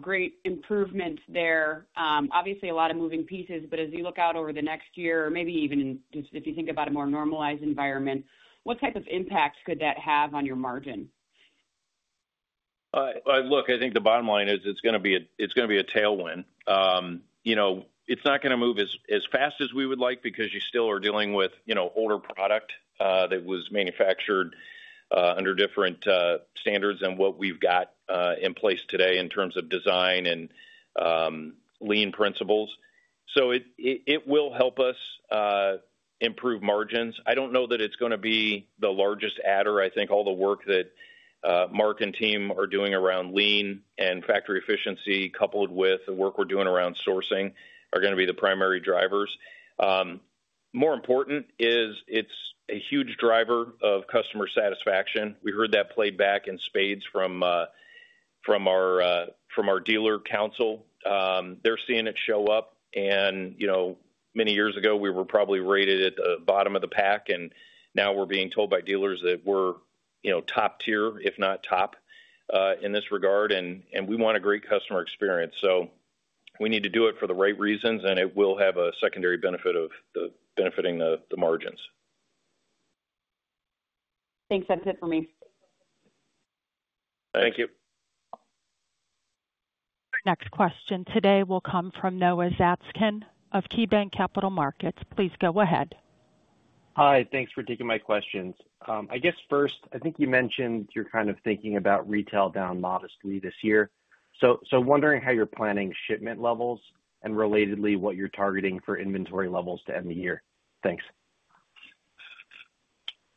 great improvement there. Obviously, a lot of moving pieces, but as you look out over the next year, maybe even just if you think about a more normalized environment, what type of impact could that have on your margin? Look, I think the bottom line is it's going to be a tailwind. It's not going to move as fast as we would like because you still are dealing with older product that was manufactured under different standards than what we've got in place today in terms of design and lean principles. It will help us improve margins. I don't know that it's going to be the largest adder. I think all the work that Mark and team are doing around lean and factory efficiency, coupled with the work we're doing around sourcing, are going to be the primary drivers. More important is it's a huge driver of customer satisfaction. We heard that played back in spades from our dealer council. They're seeing it show up. Many years ago, we were probably rated at the bottom of the pack, and now we're being told by dealers that we're top tier, if not top, in this regard. We want a great customer experience. We need to do it for the right reasons, and it will have a secondary benefit of benefiting the margins. Thanks. That's it for me. Thank you. Our next question today will come from Noah Zatzkin of KeyBanc Capital Markets. Please go ahead. Hi. Thanks for taking my questions. I guess first, I think you mentioned you're kind of thinking about retail down modestly this year. Wondering how you're planning shipment levels and relatedly what you're targeting for inventory levels to end the year. Thanks.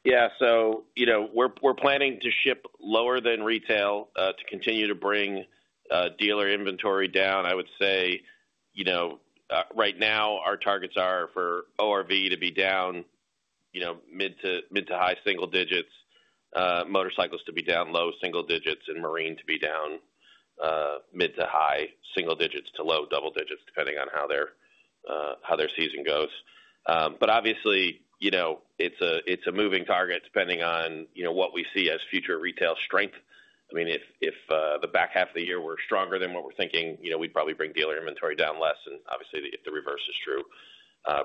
Yeah. We're planning to ship lower than retail to continue to bring dealer inventory down. I would say right now, our targets are for ORV to be down mid to high single digits, motorcycles to be down low single digits, and marine to be down mid to high single digits to low double digits, depending on how their season goes. Obviously, it's a moving target depending on what we see as future retail strength. I mean, if the back half of the year we're stronger than what we're thinking, we'd probably bring dealer inventory down less, and obviously, if the reverse is true,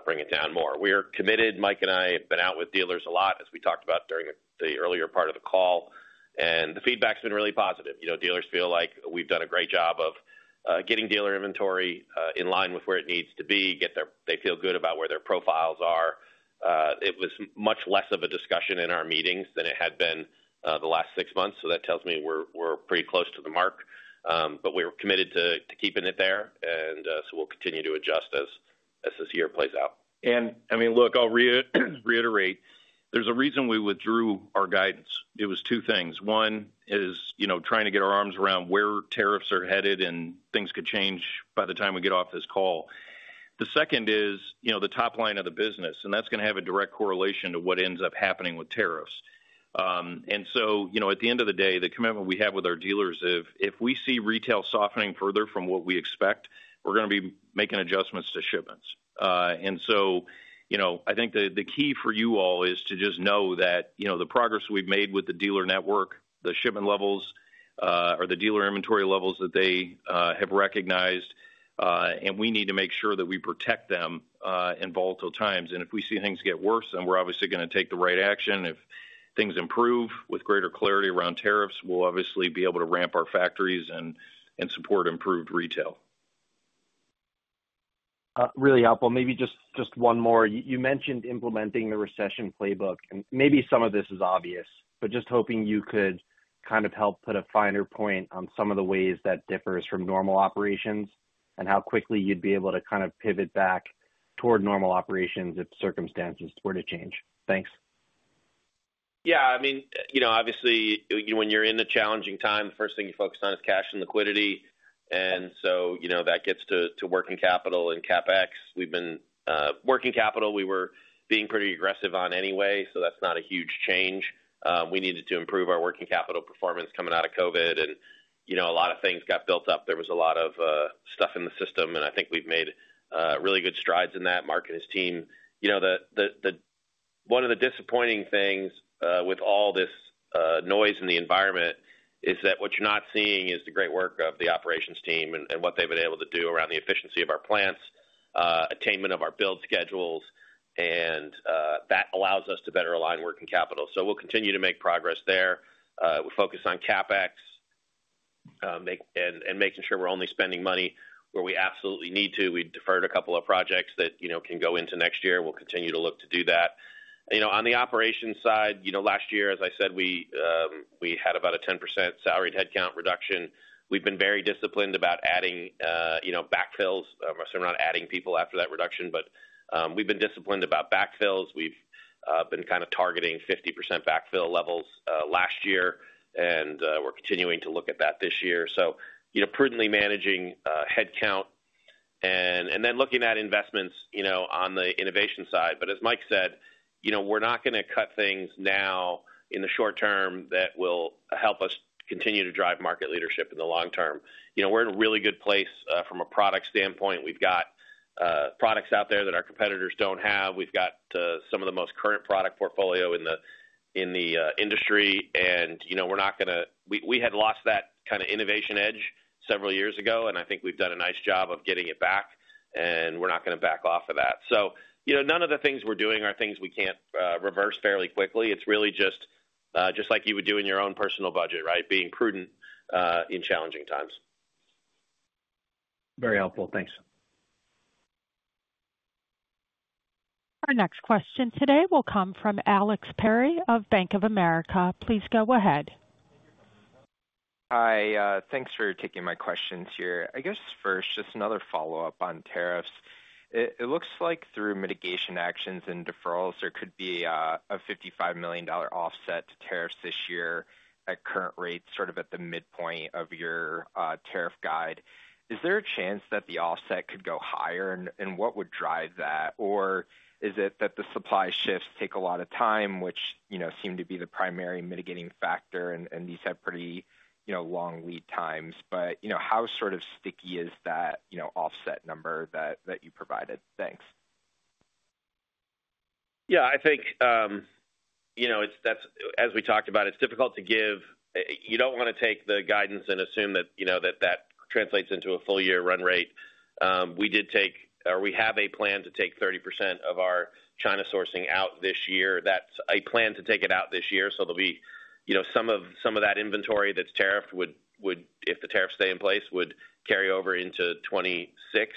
bring it down more. We are committed. Mike and I have been out with dealers a lot, as we talked about during the earlier part of the call, and the feedback's been really positive. Dealers feel like we've done a great job of getting dealer inventory in line with where it needs to be, they feel good about where their profiles are. It was much less of a discussion in our meetings than it had been the last six months, so that tells me we're pretty close to the mark. We are committed to keeping it there, and we will continue to adjust as this year plays out. I mean, look, I'll reiterate. There's a reason we withdrew our guidance. It was two things. One is trying to get our arms around where tariffs are headed, and things could change by the time we get off this call. The second is the top line of the business, and that's going to have a direct correlation to what ends up happening with tariffs. At the end of the day, the commitment we have with our dealers is if we see retail softening further from what we expect, we're going to be making adjustments to shipments. I think the key for you all is to just know that the progress we've made with the dealer network, the shipment levels, or the dealer inventory levels that they have recognized, and we need to make sure that we protect them in volatile times. If we see things get worse, then we're obviously going to take the right action. If things improve with greater clarity around tariffs, we'll obviously be able to ramp our factories and support improved retail. Really helpful. Maybe just one more. You mentioned implementing the recession playbook. Maybe some of this is obvious, but just hoping you could kind of help put a finer point on some of the ways that differs from normal operations and how quickly you'd be able to kind of pivot back toward normal operations if circumstances were to change. Thanks. Yeah. I mean, obviously, when you're in a challenging time, the first thing you focus on is cash and liquidity. That gets to working capital and CapEx. We've been working capital. We were being pretty aggressive on anyway, so that's not a huge change. We needed to improve our working capital performance coming out of COVID, and a lot of things got built up. There was a lot of stuff in the system, and I think we've made really good strides in that. Mark and his team, one of the disappointing things with all this noise in the environment is that what you're not seeing is the great work of the operations team and what they've been able to do around the efficiency of our plants, attainment of our build schedules, and that allows us to better align working capital. We will continue to make progress there. We focus on CapEx and making sure we're only spending money where we absolutely need to. We deferred a couple of projects that can go into next year. We will continue to look to do that. On the operations side, last year, as I said, we had about a 10% salary headcount reduction. We've been very disciplined about adding backfills. I'm not saying we're not adding people after that reduction, but we've been disciplined about backfills. We've been kind of targeting 50% backfill levels last year, and we're continuing to look at that this year. Prudently managing headcount and then looking at investments on the innovation side. As Mike said, we're not going to cut things now in the short term that will help us continue to drive market leadership in the long term. We're in a really good place from a product standpoint. We've got products out there that our competitors don't have. We've got some of the most current product portfolio in the industry, and we're not going to—we had lost that kind of innovation edge several years ago, and I think we've done a nice job of getting it back, and we're not going to back off of that. None of the things we're doing are things we can't reverse fairly quickly. It's really just like you would do in your own personal budget, right? Being prudent in challenging times. Very helpful. Thanks. Our next question today will come from Alex Perry of Bank of America. Please go ahead. Hi. Thanks for taking my questions here. I guess first, just another follow-up on tariffs. It looks like through mitigation actions and deferrals, there could be a $55 million offset to tariffs this year at current rates, sort of at the midpoint of your tariff guide. Is there a chance that the offset could go higher, and what would drive that? Is it that the supply shifts take a lot of time, which seem to be the primary mitigating factor, and these have pretty long lead times? How sort of sticky is that offset number that you provided? Thanks. Yeah. I think, as we talked about, it's difficult to give. You don't want to take the guidance and assume that that translates into a full-year run rate. We did take or we have a plan to take 30% of our China sourcing out this year. That's a plan to take it out this year, so there'll be some of that inventory that's tariffed, if the tariffs stay in place, would carry over into 2026.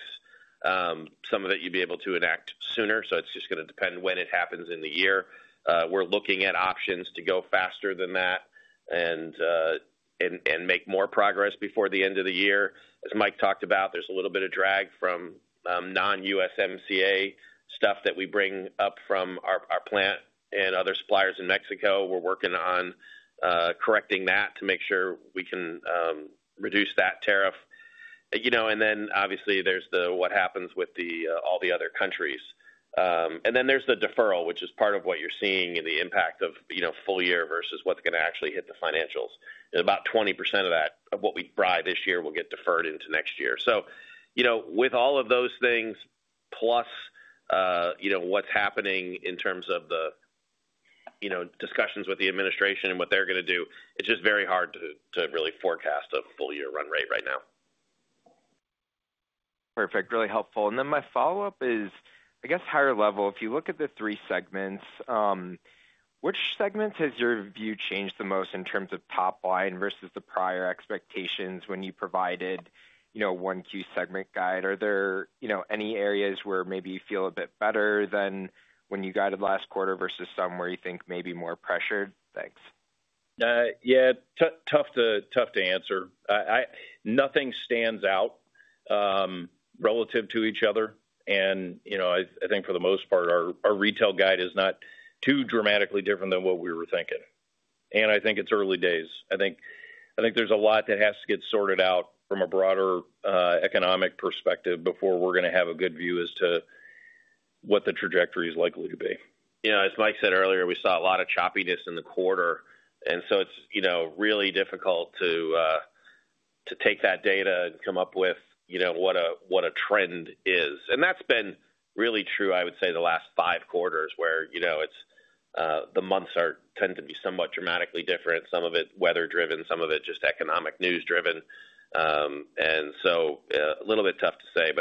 Some of it you'd be able to enact sooner, so it's just going to depend when it happens in the year. We're looking at options to go faster than that and make more progress before the end of the year. As Mike talked about, there's a little bit of drag from non-USMCA stuff that we bring up from our plant and other suppliers in Mexico. We're working on correcting that to make sure we can reduce that tariff. Obviously, there's the what happens with all the other countries. There's the deferral, which is part of what you're seeing in the impact of full year versus what's going to actually hit the financials. About 20% of that, of what we buy this year, will get deferred into next year. With all of those things, plus what's happening in terms of the discussions with the administration and what they're going to do, it's just very hard to really forecast a full-year run rate right now. Perfect. Really helpful. My follow-up is, I guess, higher level. If you look at the three segments, which segment has your view changed the most in terms of top line versus the prior expectations when you provided one Q segment guide? Are there any areas where maybe you feel a bit better than when you guided last quarter versus some where you think may be more pressured? Thanks. Yeah. Tough to answer. Nothing stands out relative to each other. I think, for the most part, our retail guide is not too dramatically different than what we were thinking. I think it's early days. I think there's a lot that has to get sorted out from a broader economic perspective before we're going to have a good view as to what the trajectory is likely to be. Yeah. As Mike said earlier, we saw a lot of choppiness in the quarter. It is really difficult to take that data and come up with what a trend is. That has been really true, I would say, the last five quarters where the months tend to be somewhat dramatically different. Some of it weather-driven, some of it just economic news-driven. A little bit tough to say.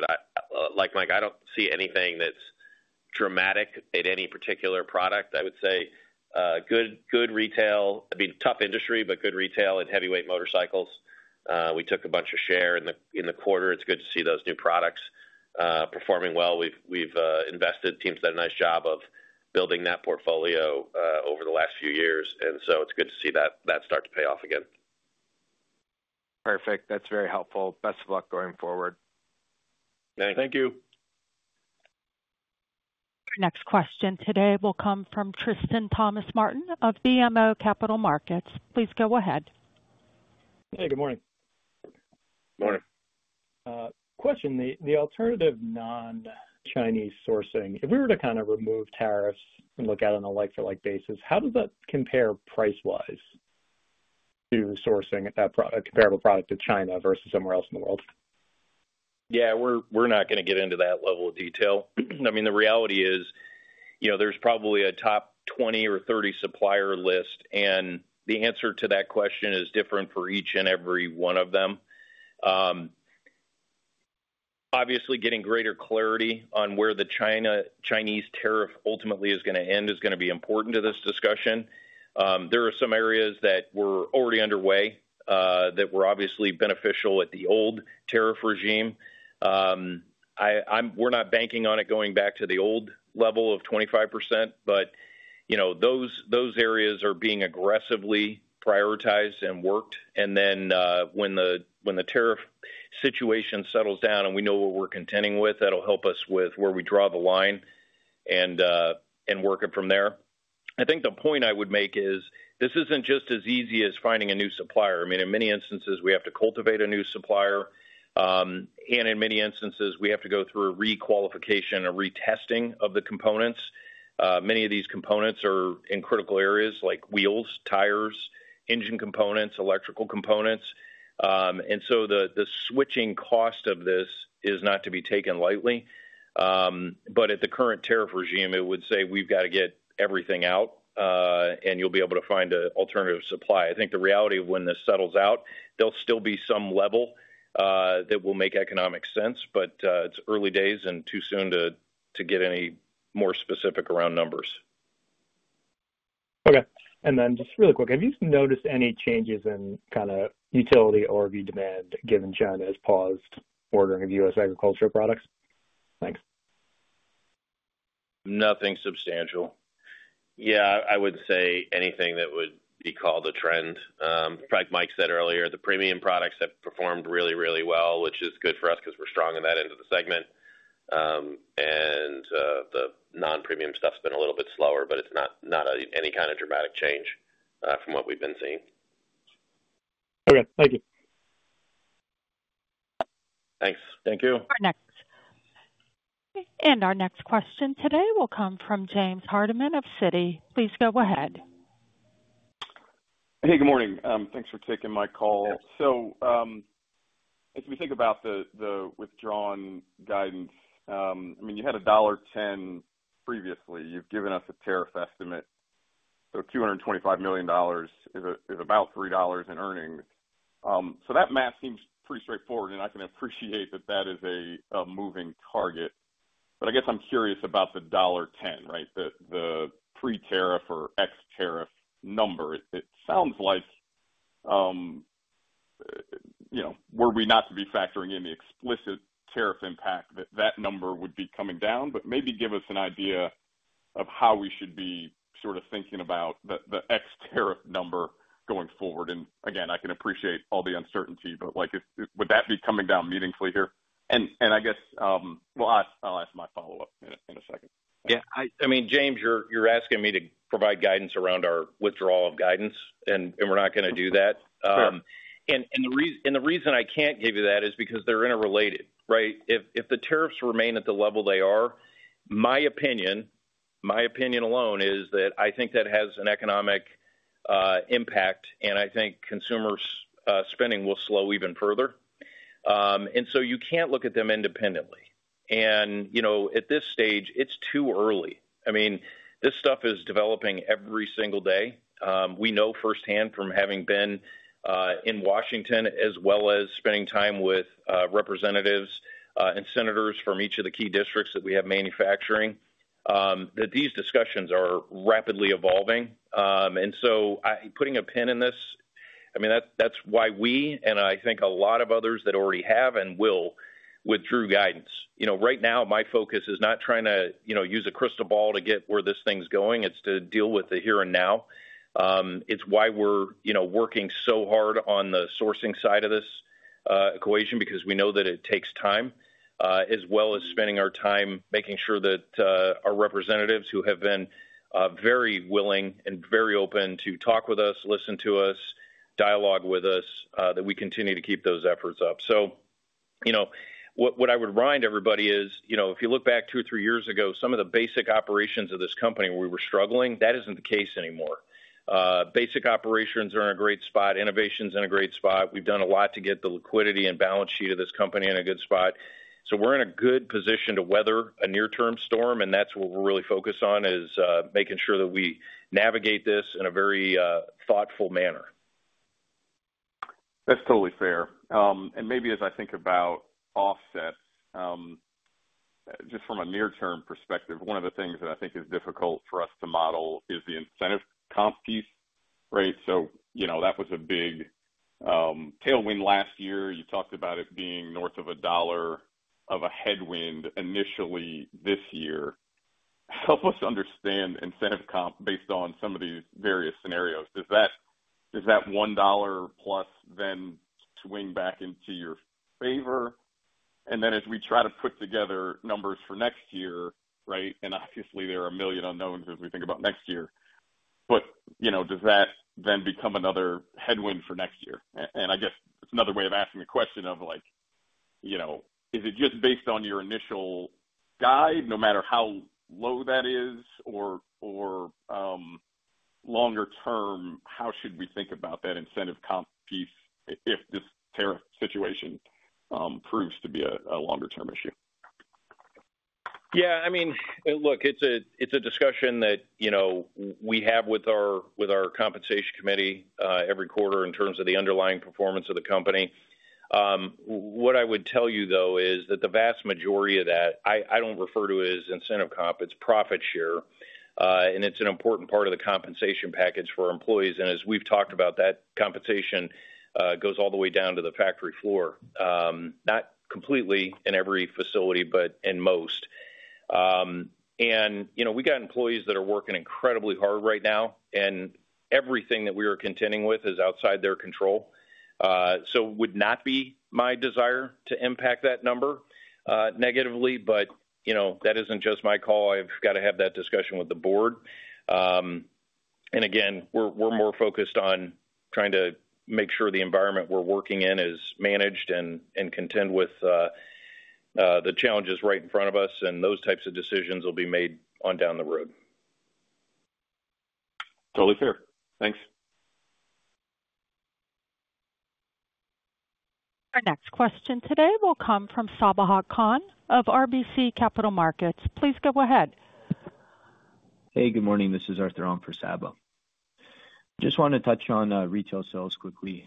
Like Mike, I don't see anything that's dramatic at any particular product. I would say good retail—I mean, tough industry, but good retail and heavyweight motorcycles. We took a bunch of share in the quarter. It's good to see those new products performing well. Team's done a nice job of building that portfolio over the last few years, and it's good to see that start to pay off again. Perfect. That's very helpful. Best of luck going forward. Thank you. Our next question today will come from Tristan Thomas Martin of BMO Capital Markets. Please go ahead. Hey. Good morning. Morning. Question. The alternative non-Chinese sourcing, if we were to kind of remove tariffs and look at it on a like-for-like basis, how does that compare price-wise to sourcing a comparable product in China versus somewhere else in the world? Yeah. We're not going to get into that level of detail. I mean, the reality is there's probably a top 20 or 30 supplier list, and the answer to that question is different for each and every one of them. Obviously, getting greater clarity on where the Chinese tariff ultimately is going to end is going to be important to this discussion. There are some areas that were already underway that were obviously beneficial at the old tariff regime. We're not banking on it going back to the old level of 25%, but those areas are being aggressively prioritized and worked. When the tariff situation settles down and we know what we're contending with, that'll help us with where we draw the line and work it from there. I think the point I would make is this isn't just as easy as finding a new supplier. I mean, in many instances, we have to cultivate a new supplier, and in many instances, we have to go through a re-qualification and retesting of the components. Many of these components are in critical areas like wheels, tires, engine components, electrical components. The switching cost of this is not to be taken lightly. At the current tariff regime, it would say we've got to get everything out, and you'll be able to find an alternative supply. I think the reality of when this settles out, there'll still be some level that will make economic sense, but it's early days and too soon to get any more specific around numbers. Okay. And then just really quick, have you noticed any changes in kind of utility or review demand given China's paused ordering of U.S. agricultural products? Thanks. Nothing substantial. Yeah. I wouldn't say anything that would be called a trend. In fact, Mike said earlier, the premium products have performed really, really well, which is good for us because we're strong in that end of the segment. And the non-premium stuff's been a little bit slower, but it's not any kind of dramatic change from what we've been seeing. Okay. Thank you. Thanks. Thank you. Our next question today will come from James Hardiman of Citi. Please go ahead. Hey. Good morning. Thanks for taking my call. If we think about the withdrawn guidance, I mean, you had a $1.10 previously. You've given us a tariff estimate. $225 million is about $3 in earnings. That math seems pretty straightforward, and I can appreciate that that is a moving target. I guess I'm curious about the $1.10, right? The pre-tariff or ex-tariff number. It sounds like were we not to be factoring in the explicit tariff impact, that number would be coming down. Maybe give us an idea of how we should be sort of thinking about the ex-tariff number going forward. I can appreciate all the uncertainty, but would that be coming down meaningfully here? I guess I'll ask my follow-up in a second. Yeah. I mean, James, you're asking me to provide guidance around our withdrawal of guidance, and we're not going to do that. The reason I can't give you that is because they're interrelated, right? If the tariffs remain at the level they are, my opinion alone is that I think that has an economic impact, and I think consumer spending will slow even further. You can't look at them independently. At this stage, it's too early. I mean, this stuff is developing every single day. We know firsthand from having been in Washington as well as spending time with representatives and senators from each of the key districts that we have manufacturing that these discussions are rapidly evolving. Putting a pin in this, I mean, that's why we and I think a lot of others that already have and will withdrew guidance. Right now, my focus is not trying to use a crystal ball to get where this thing's going. It's to deal with the here and now. It's why we're working so hard on the sourcing side of this equation because we know that it takes time, as well as spending our time making sure that our representatives, who have been very willing and very open to talk with us, listen to us, dialogue with us, that we continue to keep those efforts up. What I would remind everybody is if you look back two or three years ago, some of the basic operations of this company where we were struggling, that isn't the case anymore. Basic operations are in a great spot. Innovation's in a great spot. We've done a lot to get the liquidity and balance sheet of this company in a good spot. We're in a good position to weather a near-term storm, and that's what we're really focused on is making sure that we navigate this in a very thoughtful manner. That's totally fair. Maybe as I think about offsets, just from a near-term perspective, one of the things that I think is difficult for us to model is the incentive comp piece, right? That was a big tailwind last year. You talked about it being north of a dollar of a headwind initially this year. Help us understand incentive comp based on some of these various scenarios. Does that $1 plus then swing back into your favor? As we try to put together numbers for next year, right? Obviously, there are a million unknowns as we think about next year. Does that then become another headwind for next year? I guess it's another way of asking the question of, is it just based on your initial guide, no matter how low that is, or longer term, how should we think about that incentive comp piece if this tariff situation proves to be a longer-term issue? Yeah. I mean, look, it's a discussion that we have with our compensation committee every quarter in terms of the underlying performance of the company. What I would tell you, though, is that the vast majority of that, I don't refer to it as incentive comp. It's profit share, and it's an important part of the compensation package for employees. As we've talked about, that compensation goes all the way down to the factory floor, not completely in every facility, but in most. We got employees that are working incredibly hard right now, and everything that we are contending with is outside their control. It would not be my desire to impact that number negatively, but that is not just my call. I have to have that discussion with the board. Again, we are more focused on trying to make sure the environment we are working in is managed and contend with the challenges right in front of us, and those types of decisions will be made on down the road. Totally fair. Thanks. Our next question today will come from Sabahat Khan of RBC Capital Markets. Please go ahead. Hey. Good morning. This is Arthur Ong for Sabah. Just wanted to touch on retail sales quickly.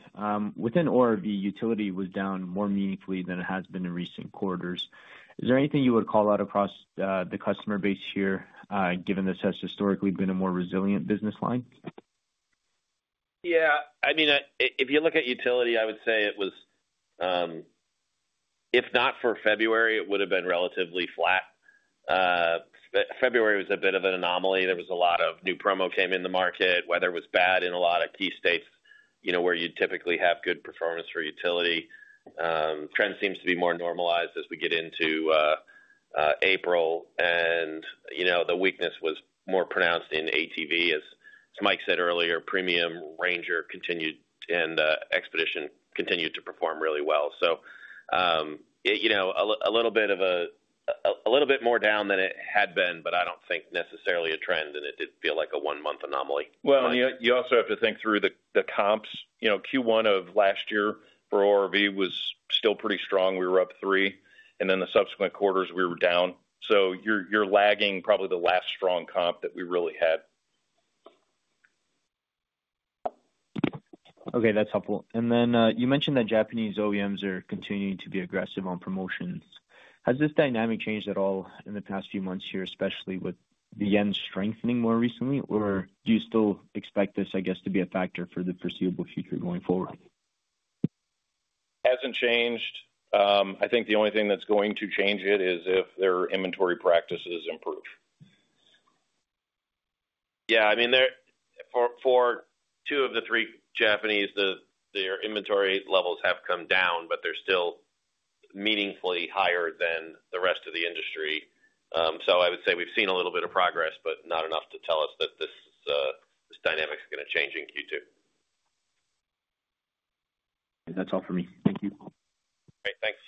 Within ORV, utility was down more meaningfully than it has been in recent quarters. Is there anything you would call out across the customer base here, given this has historically been a more resilient business line? Yeah. I mean, if you look at utility, I would say it was, if not for February, it would have been relatively flat. February was a bit of an anomaly. There was a lot of new promo came in the market. Weather was bad in a lot of key states where you typically have good performance for utility. Trend seems to be more normalized as we get into April, and the weakness was more pronounced in ATV. As Mike said earlier, Premium Ranger continued and Expedition continued to perform really well. A little bit more down than it had been, but I do not think necessarily a trend, and it did feel like a one-month anomaly. You also have to think through the comps. Q1 of last year for ORV was still pretty strong. We were up three. The subsequent quarters, we were down. You are lagging probably the last strong comp that we really had. Okay. That is helpful. You mentioned that Japanese OEMs are continuing to be aggressive on promotions. Has this dynamic changed at all in the past few months here, especially with the yen strengthening more recently, or do you still expect this, I guess, to be a factor for the foreseeable future going forward? Has not changed. I think the only thing that is going to change it is if their inventory practices improve. Yeah. I mean, for two of the three Japanese, their inventory levels have come down, but they are still meaningfully higher than the rest of the industry. I would say we've seen a little bit of progress, but not enough to tell us that this dynamic is going to change in Q2. That's all for me. Thank you. All right. Thanks.